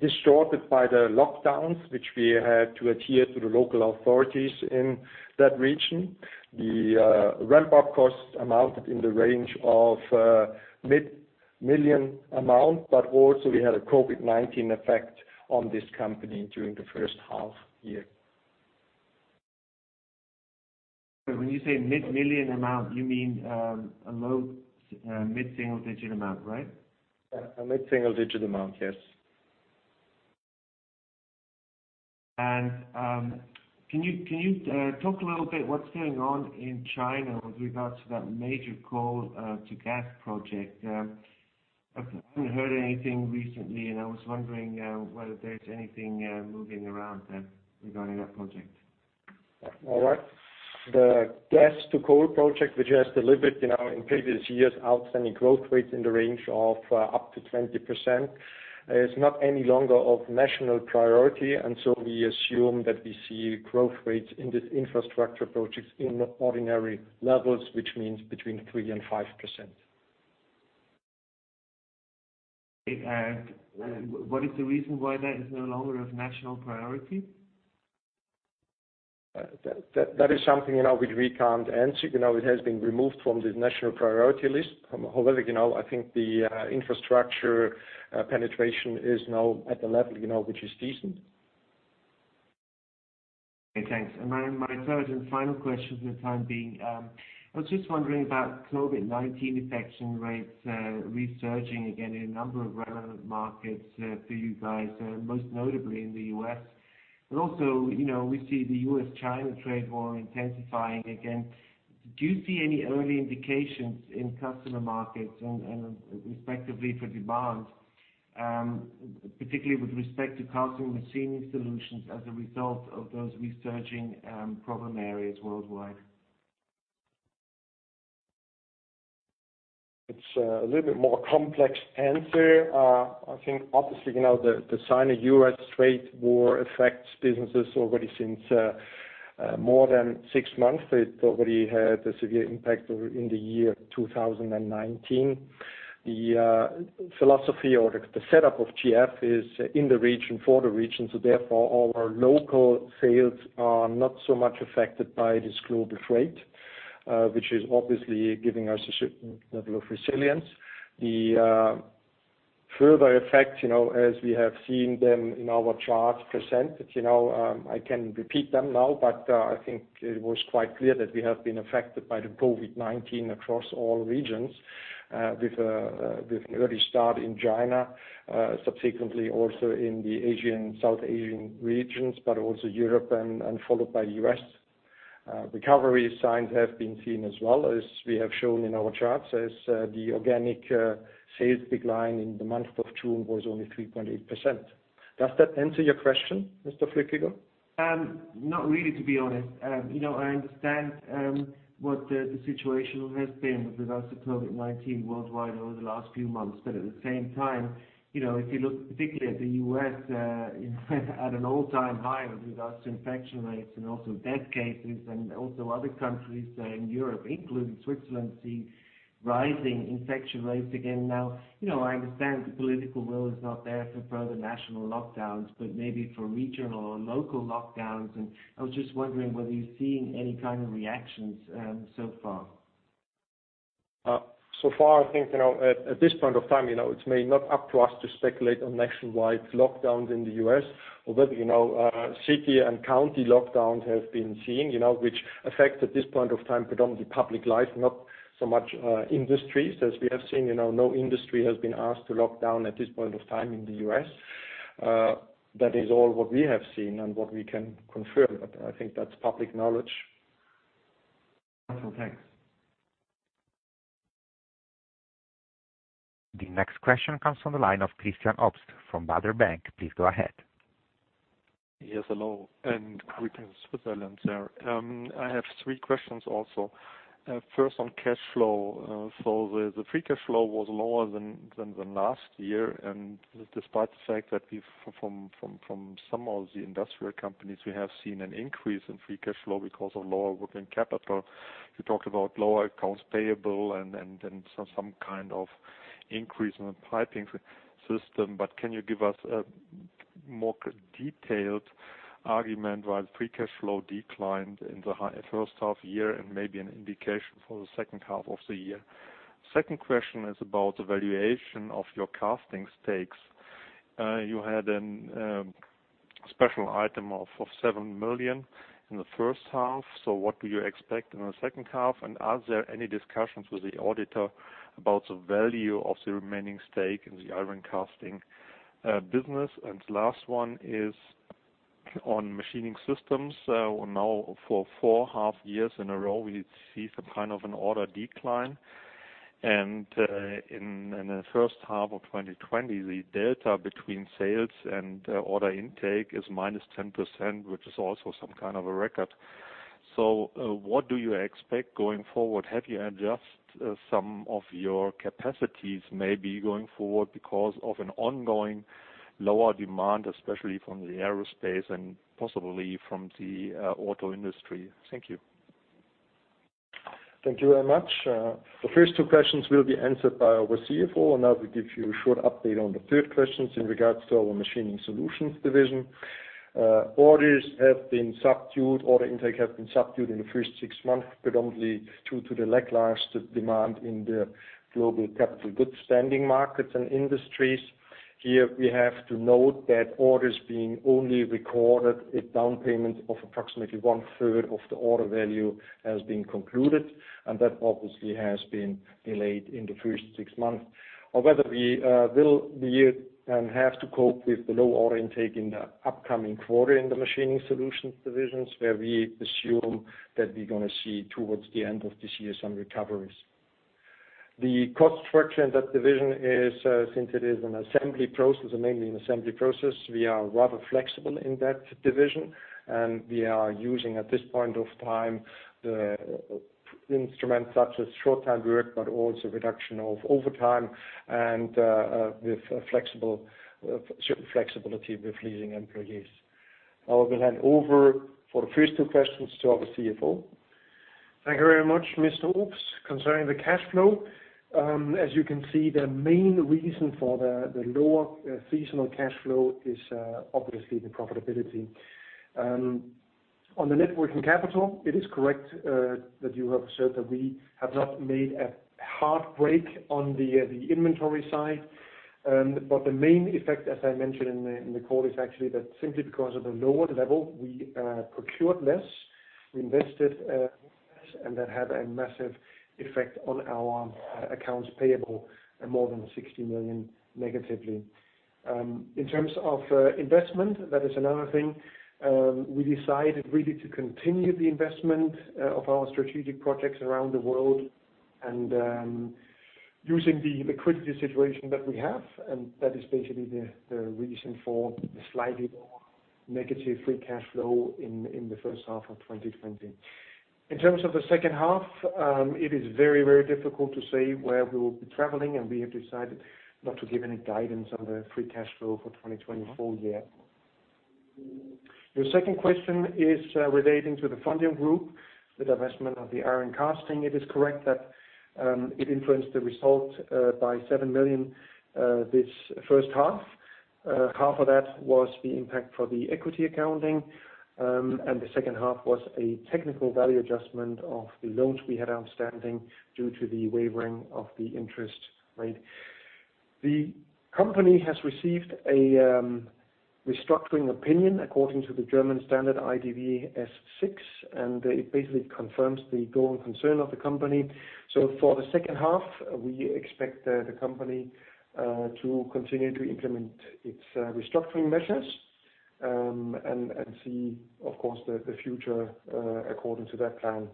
distorted by the lockdowns which we had to adhere to the local authorities in that region. The ramp-up cost amounted in the range of mid-million amount, but also we had a COVID-19 effect on this company during the first half year. When you say mid-million amount, you mean a low mid-single-digit amount, right? Yeah. A mid-single-digit amount, yes. Can you talk a little bit what's going on in China with regards to that major coal to gas project? I haven't heard anything recently, and I was wondering whether there's anything moving around regarding that project. All right. The gas to coal project, which has delivered in previous years outstanding growth rates in the range of up to 20%, is not any longer of national priority. We assume that we see growth rates in these infrastructure projects in ordinary levels, which means between 3% and 5%. What is the reason why that is no longer of national priority? That is something which we can't answer. It has been removed from the national priority list. However, I think the infrastructure penetration is now at the level which is decent. Okay, thanks. My third and final question for the time being. I was just wondering about COVID-19 infection rates resurging again in a number of relevant markets for you guys, most notably in the U.S. Also, we see the U.S.-China trade war intensifying again. Do you see any early indications in customer markets and respectively for demand, particularly with respect to Casting and Machining Solutions as a result of those resurging problem areas worldwide? It's a little bit more complex answer. I think obviously, the Sino-U.S. trade war affects businesses already since more than six months. It already had a severe impact in the year 2019. Therefore, all our local sales are not so much affected by this global freight, which is obviously giving us a certain level of resilience. The further effect, as we have seen them in our charts presented, I can repeat them now, but I think it was quite clear that we have been affected by the COVID-19 across all regions, with an early start in China, subsequently also in the Asian, South Asian regions, but also Europe and followed by U.S. Recovery signs have been seen as well as we have shown in our charts as the organic sales decline in the month of June was only 3.8%. Does that answer your question, Mr. Flückiger? Not really, to be honest. I understand what the situation has been with regards to COVID-19 worldwide over the last few months. At the same time, if you look particularly at the U.S., at an all-time high with regards to infection rates and also death cases and also other countries in Europe, including Switzerland, seeing rising infection rates again now. I understand the political will is not there for further national lockdowns, but maybe for regional or local lockdowns, and I was just wondering whether you're seeing any kind of reactions so far. Far, I think, at this point of time, it's maybe not up to us to speculate on nationwide lockdowns in the U.S., although, city and county lockdowns have been seen, which affect at this point of time predominantly public life, not so much industries, as we have seen no industry has been asked to lock down at this point of time in the U.S. That is all what we have seen and what we can confirm. I think that's public knowledge. Wonderful. Thanks. The next question comes from the line of Christian Obst from Baader Bank. Please go ahead. Hello and greetings Switzerland there. I have three questions also. First on cash flow. The free cash flow was lower than last year, despite the fact that from some of the industrial companies, we have seen an increase in free cash flow because of lower working capital. You talked about lower accounts payable, some kind of increase in the GF Piping Systems. Can you give us a more detailed argument why the free cash flow declined in the first half year and maybe an indication for the second half of the year? Second question is about the valuation of your casting stakes. You had a special item of 7 million in the first half. What do you expect in the second half, are there any discussions with the auditor about the value of the remaining stake in the iron casting business? The last one is on GF Machining Solutions. Now for four half years in a row, we see some kind of an order decline. In the first half of 2020, the delta between sales and order intake is -10%, which is also some kind of a record. What do you expect going forward? Have you adjusted some of your capacities maybe going forward because of an ongoing lower demand, especially from the aerospace and possibly from the auto industry? Thank you. Thank you very much. The first two questions will be answered by our CFO. I will give you a short update on the third questions in regards to our GF Machining Solutions division. Orders have been subdued. Order intake have been subdued in the first 6 months, predominantly due to the lackluster demand in the global capital goods spending markets and industries. Here, we have to note that orders being only recorded if down payment of approximately one third of the order value has been concluded. That obviously has been delayed in the first 6 months. However, we will have to cope with the low order intake in the upcoming quarter in the GF Machining Solutions divisions, where we assume that we're going to see towards the end of this year some recoveries. The cost structure in that division is, since it is an assembly process and mainly an assembly process, we are rather flexible in that division, and we are using at this point of time the instruments such as short time work, but also reduction of overtime and with certain flexibility with leasing employees. I will hand over for the first two questions to our CFO. Thank you very much, Mr. Obst. Concerning the cash flow, as you can see, the main reason for the lower seasonal cash flow is obviously the profitability. On the net working capital, it is correct that you have said that we have not made a hard break on the inventory side. The main effect, as I mentioned in the call, is actually that simply because of the lower level, we procured less, we invested less, and that had a massive effect on our accounts payable at more than 60 million negatively. In terms of investment, that is another thing. We decided really to continue the investment of our strategic projects around the world and using the liquidity situation that we have, and that is basically the reason for the slightly more negative free cash flow in the first half of 2020. In terms of the second half, it is very difficult to say where we will be traveling, and we have decided not to give any guidance on the free cash flow for 2020 full year. Your second question is relating to the Fondium Group, the divestment of the iron casting. It is correct that it influenced the result by 7 million this first half. Half of that was the impact for the equity accounting, and the second half was a technical value adjustment of the loans we had outstanding due to the wavering of the interest rate. The company has received a restructuring opinion according to the German Standard IDW S6. It basically confirms the going concern of the company. For the second half, we expect the company to continue to implement its restructuring measures, and see, of course, the future according to that plan.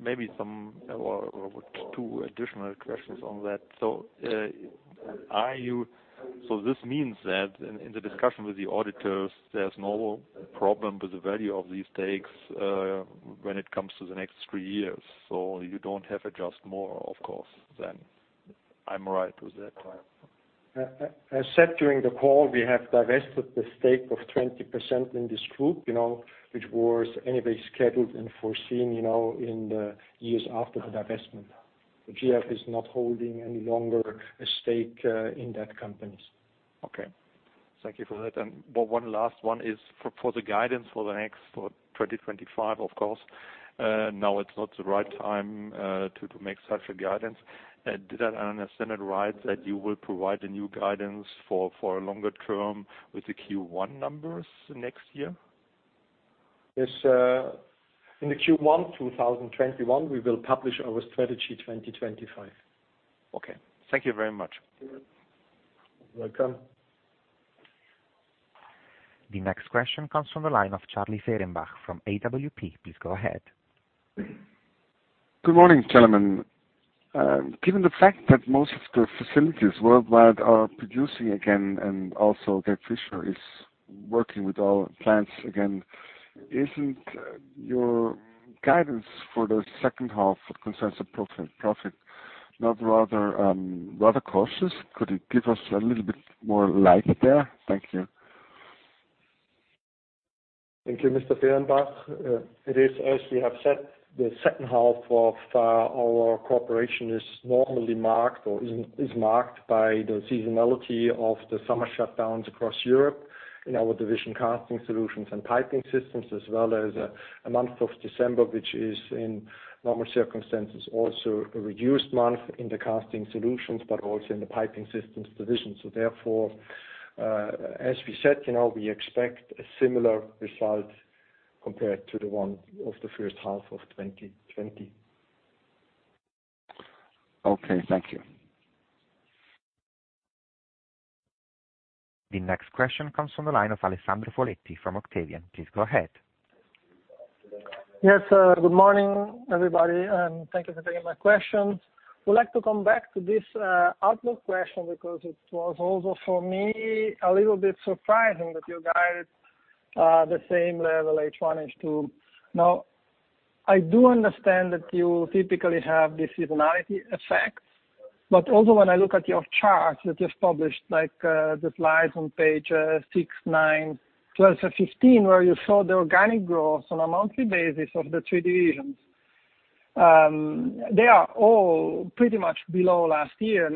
Maybe some or two additional questions on that. This means that in the discussion with the auditors, there's no problem with the value of these stakes when it comes to the next three years. You don't have to adjust more, of course, then. I'm right with that? As said during the call, we have divested the stake of 20% in this group, which was anyway scheduled and foreseen, in the years after the divestment. GF is not holding any longer a stake in that company. Okay. Thank you for that. One last one is for the guidance for the next, for 2025, of course. Now it's not the right time to make such a guidance. Did I understand it right that you will provide the new guidance for a longer term with the Q1 numbers next year? Yes. In the Q1 2021, we will publish our Strategy 2025. Okay. Thank you very much. You're welcome. The next question comes from the line of Charlie Fehrenbach from AWP. Please go ahead. Good morning, gentlemen. Given the fact that most of the facilities worldwide are producing again and also that Georg Fischer is working with all plants again, isn't your guidance for the second half with concerns of profit not rather cautious? Could you give us a little bit more light there? Thank you. Thank you, Mr. Fehrenbach. It is, as we have said, the second half of our corporation is normally marked or is marked by the seasonality of the summer shutdowns across Europe in our division Casting Solutions and Piping Systems, as well as a month of December, which is in normal circumstances also a reduced month in the Casting Solutions, but also in the Piping Systems division. Therefore, as we said, we expect a similar result compared to the one of the first half of 2020. Okay, thank you. The next question comes from the line of Alessandro Foletti from Octavian. Please go ahead. Yes. Good morning, everybody. Thank you for taking my questions. Would like to come back to this outlook question because it was also for me a little bit surprising that you guided the same level H1, H2. I do understand that you typically have the seasonality effects, but also when I look at your charts that you've published, like the slides on page six, nine, 12, and 15, where you show the organic growth on a monthly basis of the three divisions. They are all pretty much below last year.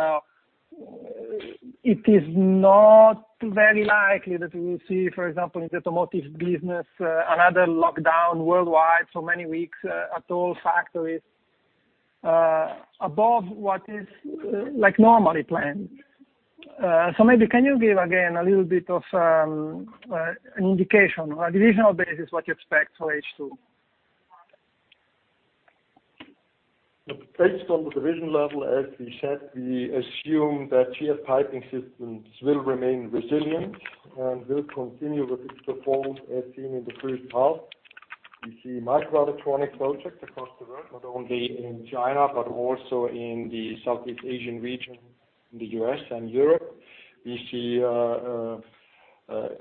It is not very likely that we will see, for example, in the automotive business, another lockdown worldwide for many weeks at all factories above what is normally planned. Maybe can you give again a little bit of an indication on a divisional basis what you expect for H2? Based on the division level, as we said, we assume that GF Piping Systems will remain resilient and will continue with its performance as seen in the first half. We see microelectronic projects across the world, not only in China, but also in the Southeast Asian region, in the U.S. and Europe. We see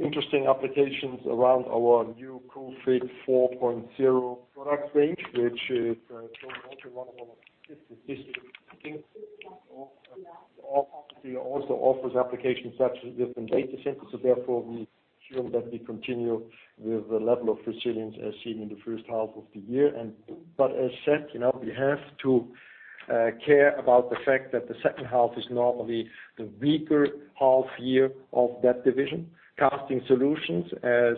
interesting applications around our new COOL-FIT 4.0 product range, which is also one of our efficient piping. It also offers applications such as different data centers. Therefore, we assume that we continue with the level of resilience as seen in the first half of the year. As said, we have to care about the fact that the second half is normally the weaker half year of that division. Casting Solutions, as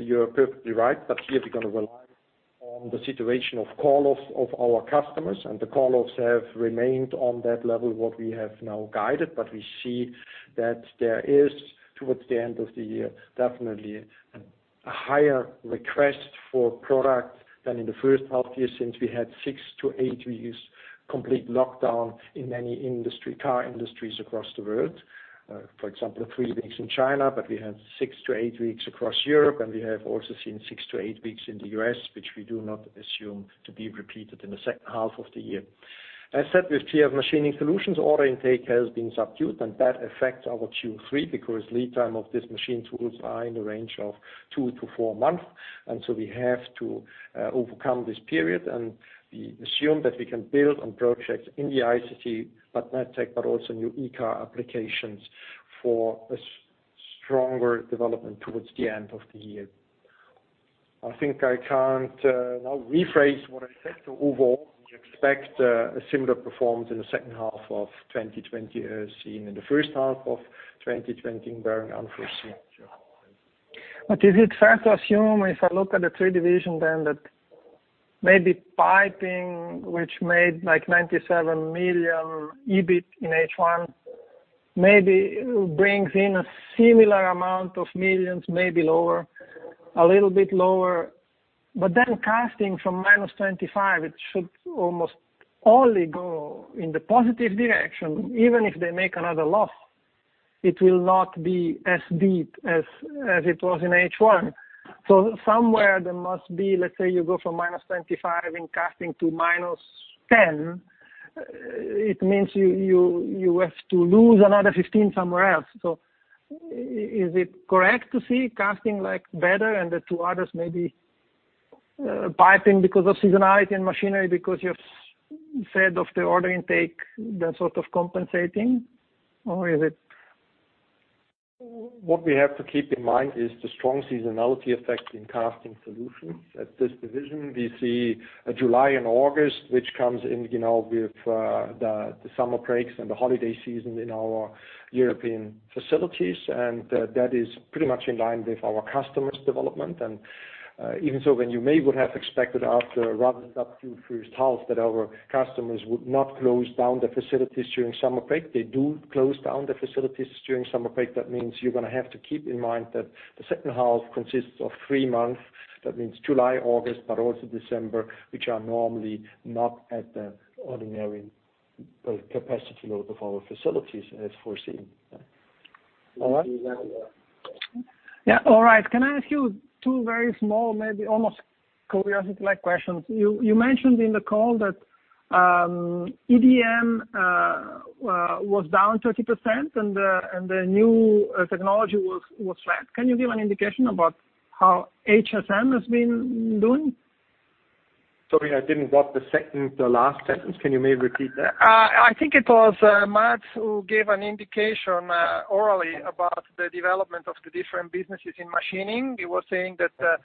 you are perfectly right. Here we're going to rely on the situation of call-offs of our customers and the call-offs have remained on that level, what we have now guided. We see that there is, towards the end of the year, definitely a higher request for product than in the first half year since we had 6 to 8 weeks complete lockdown in many car industries across the world. For example, 3 weeks in China, we had 6 to 8 weeks across Europe, and we have also seen 6 to 8 weeks in the U.S., which we do not assume to be repeated in the second half of the year. As said, with GF Machining Solutions, order intake has been subdued and that affects our Q3 because lead time of these machine tools are in the range of 2 to 4 months. We have to overcome this period and we assume that we can build on projects in the ICT MedTech, but also new e-car applications for a stronger development towards the end of the year. I think I can now rephrase what I said. Overall, we expect a similar performance in the second half of 2020 as seen in the first half of 2020, barring unforeseen challenges. Is it fair to assume if I look at the three divisions then that maybe Piping, which made like 97 million EBIT in H1, maybe brings in a similar amount of millions, maybe a little bit lower. Then Casting from -25, it should almost only go in the positive direction. Even if they make another loss, it will not be as deep as it was in H1. Somewhere there must be, let's say, you go from -25 in Casting to -10, it means you have to lose another 15 somewhere else. Is it correct to see Casting like better and the two others, maybe Piping because of seasonality and Machining because you have said of the order intake then sort of compensating? Or is it? What we have to keep in mind is the strong seasonality effect in Casting Solutions. At this division, we see July and August, which comes in with the summer breaks and the holiday season in our European facilities. That is pretty much in line with our customers' development. Even so, when you may would have expected after a rather tough first half that our customers would not close down the facilities during summer break, they do close down the facilities during summer break. That means you're going to have to keep in mind that the second half consists of three months. That means July, August, but also December, which are normally not at the ordinary capacity load of our facilities as foreseen. All right. Can I ask you two very small, maybe almost curiosity questions? You mentioned in the call that EDM was down 30% and the new technology was flat. Can you give an indication about how HSM has been doing? Sorry, I didn't get the last sentence. Can you maybe repeat that? I think it was Mads who gave an indication orally about the development of the different businesses in machining. He was saying that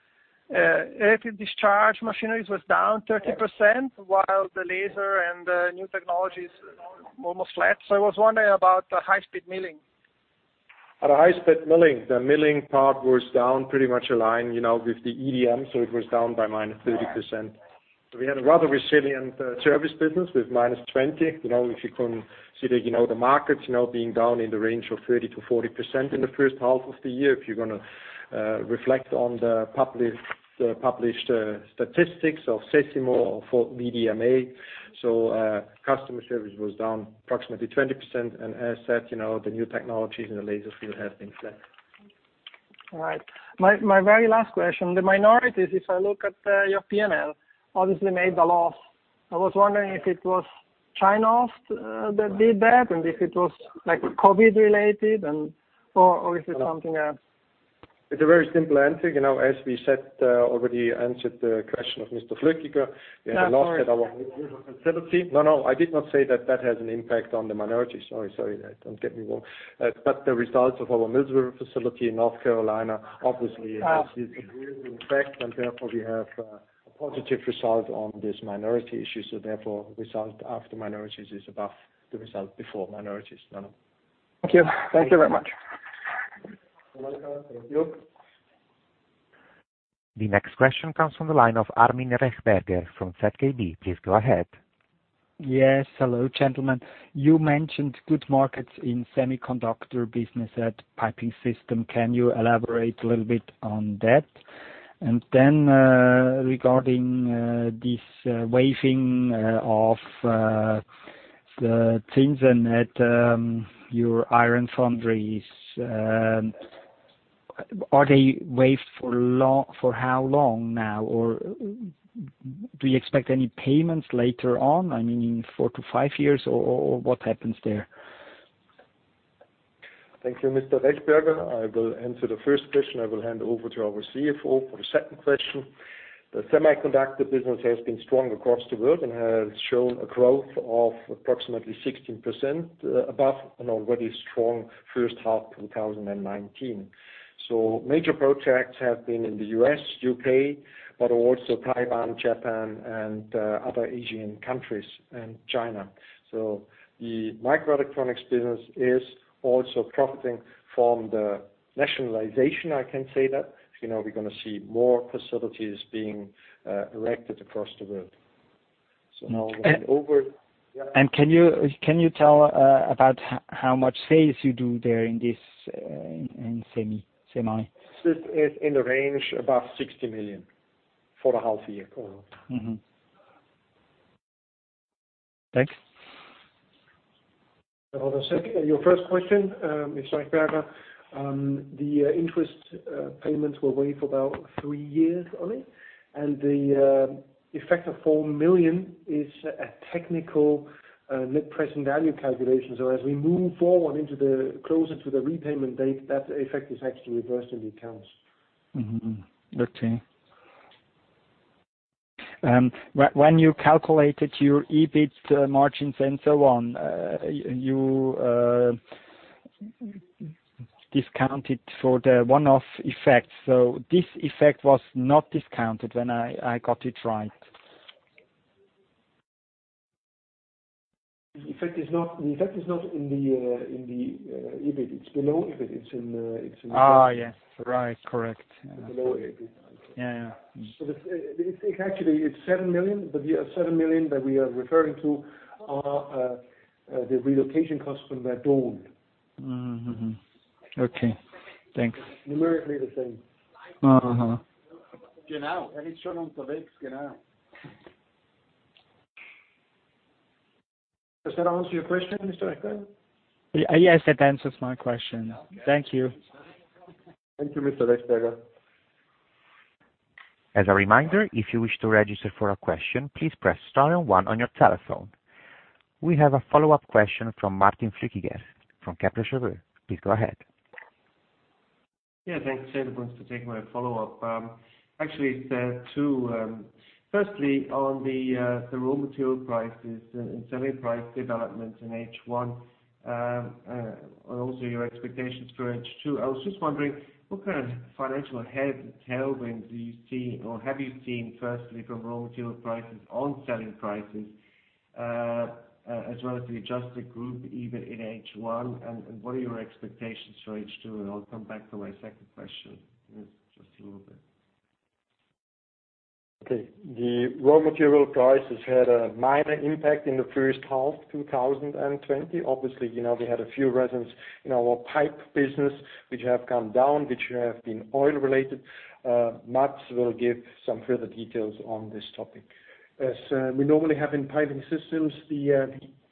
electric discharge machineries was down 30% while the laser and the new technologies are almost flat. I was wondering about the high-speed milling. At a high-speed milling, the milling part was down pretty much in line, with the EDM, it was down by -30%. We had a rather resilient service business with -20%. If you can see the markets, being down in the range of 30%-40% in the first half of the year, if you're going to reflect on the published statistics of CECIMO or for VDMA. Customer service was down approximately 20% and as said, the new technologies in the laser field have been flat. All right. My very last question. The minorities, if I look at your P&L, obviously made a loss. I was wondering if it was China that did that, and if it was COVID related or is it something else? It's a very simple answer. As we said, already answered the question of Mr. Flückiger. We had a loss at our facility. No, I did not say that that has an impact on the minority. Sorry that don't get me wrong. The results of our Mills River facility in North Carolina, obviously has a real impact, and therefore we have a positive result on this minority issue. Therefore, result after minorities is above the result before minorities. Thank you. Thank you very much. Welcome. Thank you. The next question comes from the line of Armin Rechberger from ZKB. Please go ahead. Yes. Hello, gentlemen. You mentioned good markets in semiconductor business at piping system. Can you elaborate a little bit on that? Regarding this waiving of the things and that your iron foundries, are they waived for how long now? Do you expect any payments later on? I mean, in 4 to 5 years or what happens there? Thank you, Mr. Rechberger. I will answer the first question. I will hand over to our CFO for the second question. The semiconductor business has been strong across the world and has shown a growth of approximately 16% above an already strong first half 2019. Major projects have been in the U.S., U.K., but also Taiwan, Japan, and other Asian countries and China. The microelectronics business is also profiting from the nationalization, I can say that. We're going to see more facilities being erected across the world. Now I hand over. Can you tell about how much sales you do there in semi? This is in the range above 60 million for a half year. Mm-hmm. Thanks. Hold on a second. Your first question, Mr. Rechberger. The interest payments were waived for about three years only. The effect of 4 million is a technical net present value calculation. As we move forward closer to the repayment date, that effect is actually reversed in the accounts. Mm-hmm. Okay. When you calculated your EBIT margins and so on, you discounted for the one-off effect. This effect was not discounted when I got it right? The effect is not in the EBIT. It's below EBIT. Yes. Right. Correct. Below EBIT. Yeah. Actually it's 7 million, but we have 7 million that we are referring to are the relocation costs from Werdohl. Okay, thanks. Numerically the same. Does that answer your question, Mr. Rechberger? Yes, that answers my question. Thank you. Thank you, Mr. Rechberger. As a reminder, if you wish to register for a question, please press star and one on your telephone. We have a follow-up question from Martin Flückiger from Kepler Cheuvreux. Please go ahead. Yeah. Thanks. Thanks very much. To take my follow-up, actually it's two. Firstly, on the raw material prices and selling price development in H1, and also your expectations for H2, I was just wondering what kind of financial head/tailwind do you see or have you seen firstly from raw material prices on selling prices, as well as the adjusted group, even in H1, and what are your expectations for H2? I'll come back to my second question in just a little bit. Okay. The raw material prices had a minor impact in the first half 2020. Obviously, we had a few resins in our pipe business, which have come down, which have been oil-related. Mads will give some further details on this topic. We normally have in piping systems, the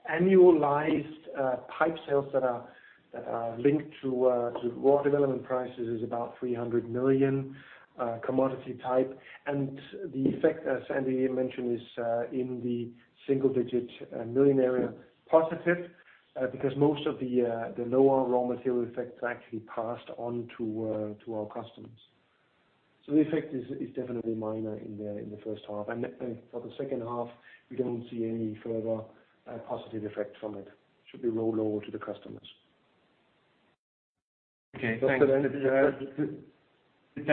annualized pipe sales that are linked to raw development prices is about 300 million commodity type. The effect, as Andy mentioned, is in the single-digit million area positive because most of the lower raw material effects are actually passed on to our customers. The effect is definitely minor in the first half. For the second half, we don't see any further positive effect from it. It should be rolled over to the customers. Okay. Thanks. What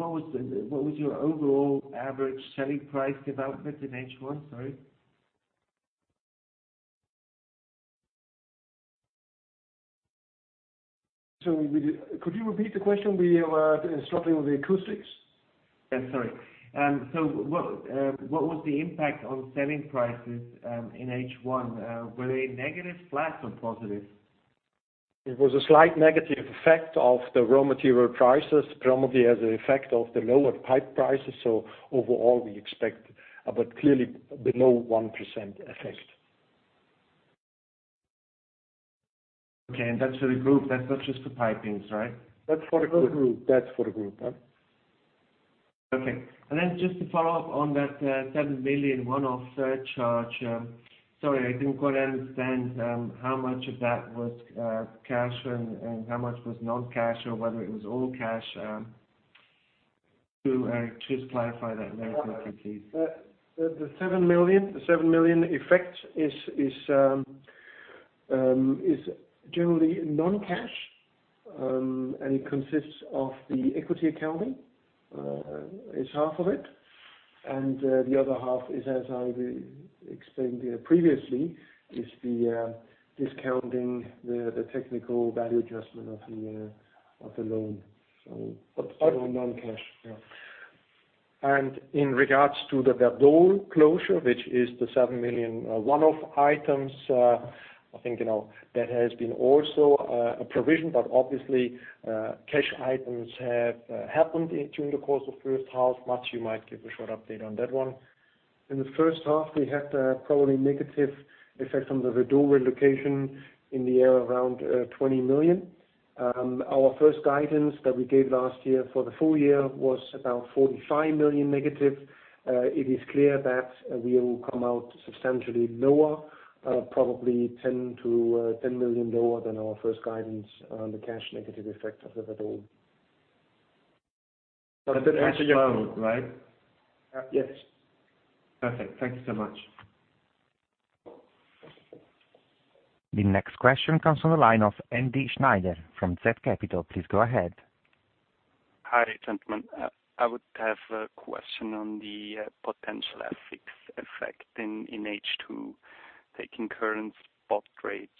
was your overall average selling price development in H1? Sorry. Sorry, could you repeat the question? We are struggling with the acoustics. Yeah, sorry. What was the impact on selling prices in H1? Were they negative, flat, or positive? It was a slight negative effect of the raw material prices, primarily as an effect of the lower pipe prices. Overall we expect, but clearly below 1% effect. Okay. That's for the group, that's not just for pipings, right? That's for the group. Okay. Just to follow up on that seven million one-off surcharge. Sorry, I didn't quite understand how much of that was cash and how much was non-cash, or whether it was all cash? To just clarify that very quickly. The 7 million effect is generally non-cash. It consists of the equity accounting is half of it. The other half is, as I explained previously, is the discounting the technical value adjustment of the loan. Non-cash. In regards to the Werdohl closure, which is the 7 million one-off items, I think that has been also a provision, but obviously, cash items have happened during the course of the first half. Mads, you might give a short update on that one. In the first half, we had a probably negative effect on the Werdohl relocation in the area around 20 million. Our first guidance that we gave last year for the full year was about 45 million negative. It is clear that we will come out substantially lower, probably 10 million lower than our first guidance on the cash negative effect of Werdohl. That's in cash flow, right? Yes. Perfect. Thank you so much. The next question comes from the line of Andy Schneider from Z Capital. Please go ahead. Hi, gentlemen. I would have a question on the potential FX effect in H2. Taking current spot rates,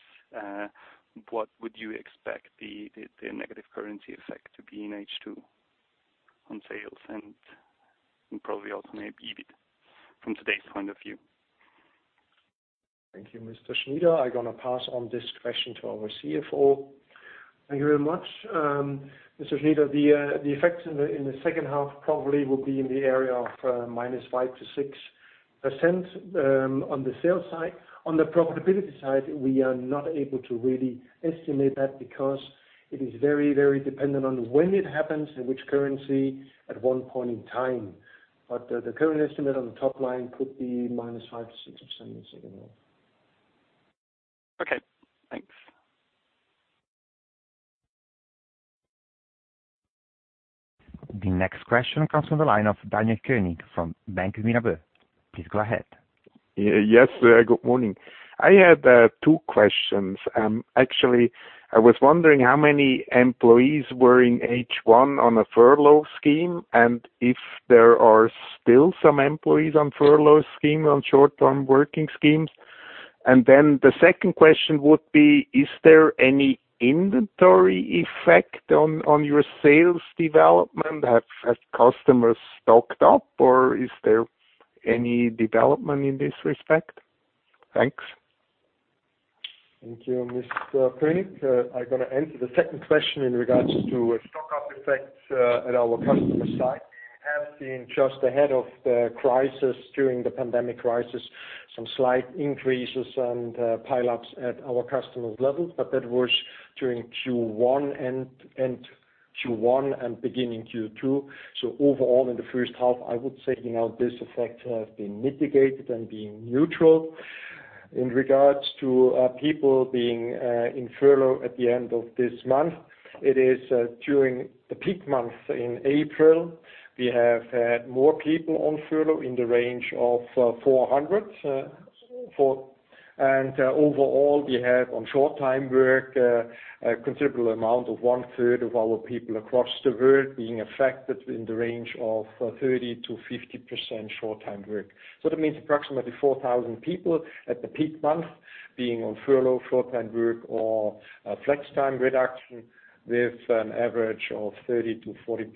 what would you expect the negative currency effect to be in H2 on sales and probably also maybe EBIT from today's point of view? Thank you, Mr. Schneider. I'm going to pass on this question to our CFO. Thank you very much. Mr. Schneider the effects in the second half probably will be in the area of minus 5%-6% on the sales side. On the profitability side, we are not able to really estimate that because it is very dependent on when it happens in which currency at one point in time. The current estimate on the top line could be minus 5%-6% in the second half. Okay. The next question comes from the line of Daniel Koenig from Bank Vontobel. Please go ahead. Yes. Good morning. I had two questions. Actually, I was wondering how many employees were in H1 on a furlough scheme, and if there are still some employees on furlough scheme, on short-term working schemes. The second question would be: Is there any inventory effect on your sales development? Have customers stocked up, or is there any development in this respect? Thanks. Thank you, Mr. Koenig. I'm going to answer the second question in regards to stock-up effects at our customer site. We have seen just ahead of the crisis, during the pandemic crisis, some slight increases and pile-ups at our customers' levels. That was during Q1 and beginning Q2. Overall, in the first half, I would say this effect has been mitigated and been neutral. In regards to people being in furlough at the end of this month, it is during the peak month in April, we have had more people on furlough in the range of 400. Overall, we have on short-time work, a considerable amount of one-third of our people across the world being affected in the range of 30%-50% short-time work. That means approximately 4,000 people at the peak month being on furlough, short-time work, or flextime reduction with an average of 30% to 40%,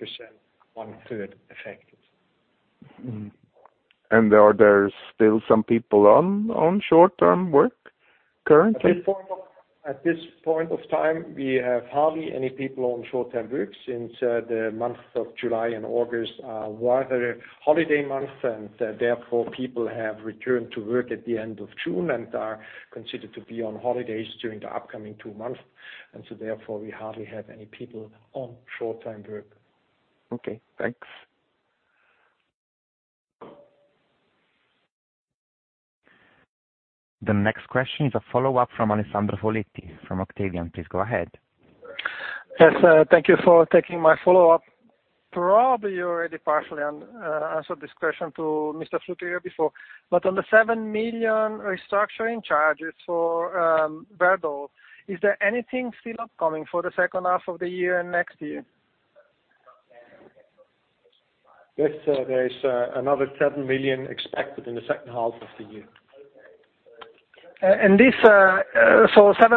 one-third affected. Are there still some people on short-term work currently? At this point of time, we have hardly any people on short-term work since the months of July and August are holiday months and therefore people have returned to work at the end of June and are considered to be on holidays during the upcoming two months. We hardly have any people on short-time work. Okay, thanks. The next question is a follow-up from Alessandro Foletti from Octavian. Please go ahead. Yes. Thank you for taking my follow-up. Probably you already partially answered this question to Mr. Flückiger before, but on the 7 million restructuring charges for Werdohl, is there anything still upcoming for the second half of the year and next year? Yes, there is another 7 million expected in the second half of the year. Seven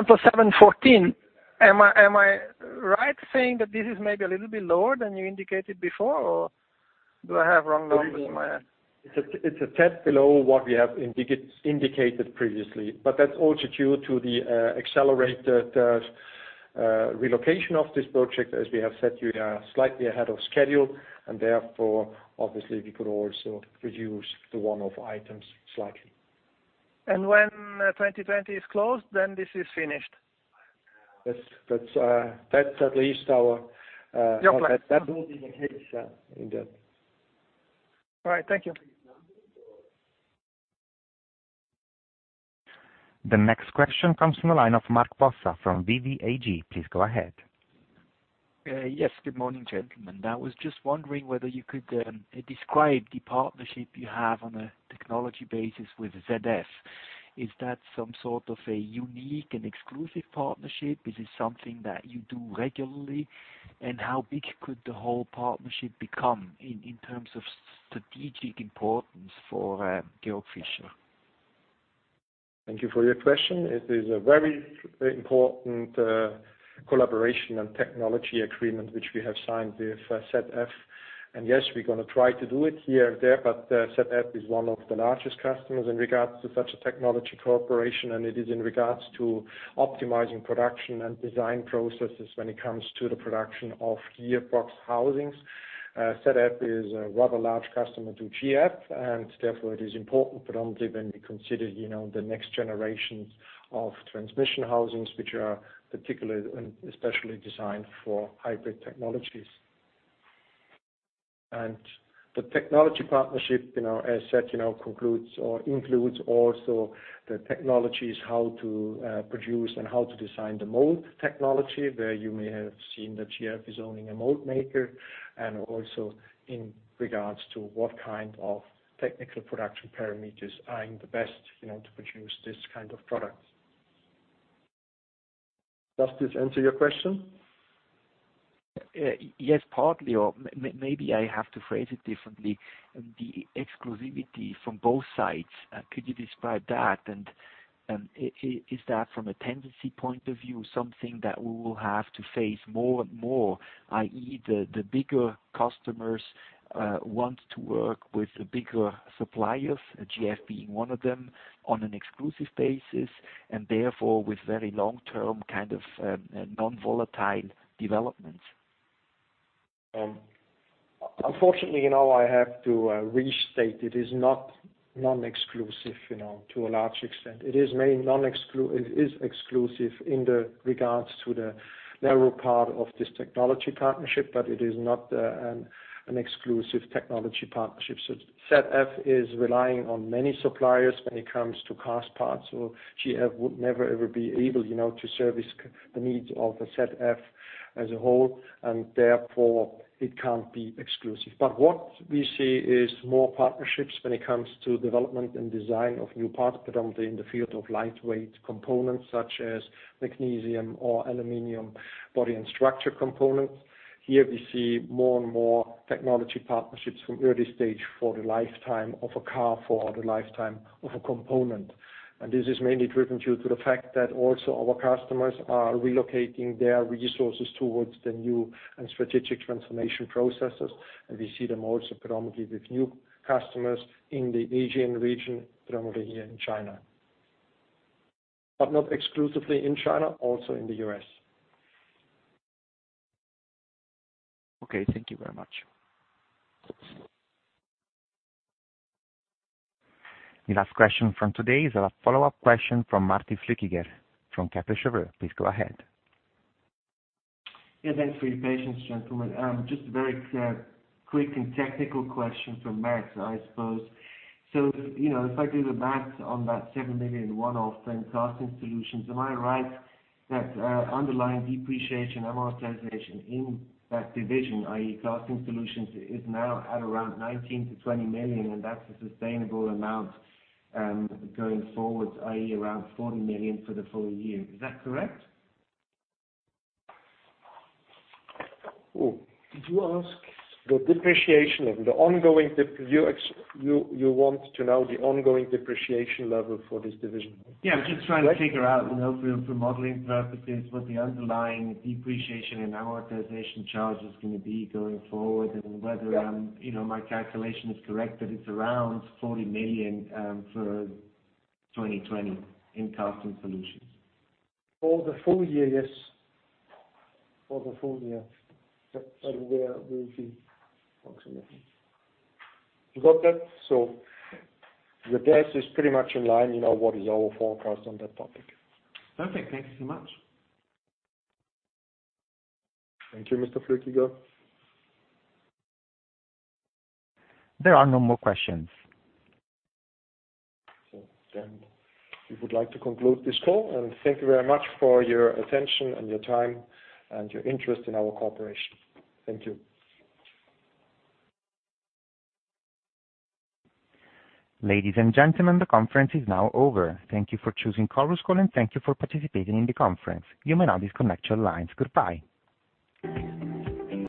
plus seven, 14. Am I right saying that this is maybe a little bit lower than you indicated before, or do I have wrong numbers in my head? It's a tad below what we have indicated previously. That's also due to the accelerated relocation of this project, as we have said, we are slightly ahead of schedule and therefore obviously we could also reduce the one-off items slightly. When 2020 is closed, then this is finished? That's at least our- Your plan. That will be the case, yeah. All right. Thank you. The next question comes from the line of Mark Bossa from BVAG. Please go ahead. Yes, good morning, gentlemen. I was just wondering whether you could describe the partnership you have on a technology basis with ZF. Is that some sort of a unique and exclusive partnership? Is it something that you do regularly? How big could the whole partnership become in terms of strategic importance for Georg Fischer? Thank you for your question. It is a very important collaboration and technology agreement, which we have signed with ZF. Yes, we're going to try to do it here and there, but ZF is one of the largest customers in regards to such a technology cooperation, and it is in regards to optimizing production and design processes when it comes to the production of gear box housings. ZF is a rather large customer to GF, and therefore it is important predominantly when we consider the next generations of transmission housings, which are particularly and especially designed for hybrid technologies. The technology partnership, as said, includes also the technologies, how to produce and how to design the mold technology, where you may have seen that GF is owning a mold maker, and also in regards to what kind of technical production parameters are the best to produce this kind of product. Does this answer your question? Yes, partly, or maybe I have to phrase it differently. The exclusivity from both sides, could you describe that? Is that from a tendency point of view, something that we will have to face more and more, i.e., the bigger customers want to work with the bigger suppliers, GF being one of them, on an exclusive basis, and therefore with very long-term kind of non-volatile developments? Unfortunately, I have to restate it is not non-exclusive, to a large extent. It is exclusive in the regards to the narrow part of this technology partnership, but it is not an exclusive technology partnership. ZF is relying on many suppliers when it comes to cast parts. GF would never, ever be able to service the needs of the ZF as a whole, and therefore it can't be exclusive. What we see is more partnerships when it comes to development and design of new parts, predominantly in the field of lightweight components, such as magnesium or aluminum body and structure components. Here we see more and more technology partnerships from early stage for the lifetime of a car, for the lifetime of a component. This is mainly driven due to the fact that also our customers are relocating their resources towards the new and strategic transformation processes, and we see them also predominantly with new customers in the Asian region, predominantly in China. Not exclusively in China, also in the U.S. Okay. Thank you very much. The last question from today is a follow-up question from Martin Flückiger from Kepler Cheuvreux. Please go ahead. Yeah. Thanks for your patience, gentlemen. Just a very quick and technical question for Mads, I suppose. If I do the math on that 7 million one-off then Casting Solutions, am I right that underlying depreciation amortization in that division, i.e. Casting Solutions, is now at around 19 million-20 million and that's a sustainable amount going forward, i.e. around 40 million for the full year. Is that correct? You want to know the ongoing depreciation level for this division? I'm just trying to figure out, for modeling purposes, what the underlying depreciation and amortization charge is going to be going forward and whether my calculation is correct, that it's around 40 million for 2020 in Casting Solutions. For the full year, yes. For the full year. That where we see approximately. You got that? Your guess is pretty much in line in what is our forecast on that topic. Perfect. Thank you so much. Thank you, Mr. Flückiger. There are no more questions. We would like to conclude this call, and thank you very much for your attention and your time and your interest in our corporation. Thank you. Ladies and gentlemen, the conference is now over. Thank you for choosing Chorus Call, and thank you for participating in the conference. You may now disconnect your lines. Goodbye.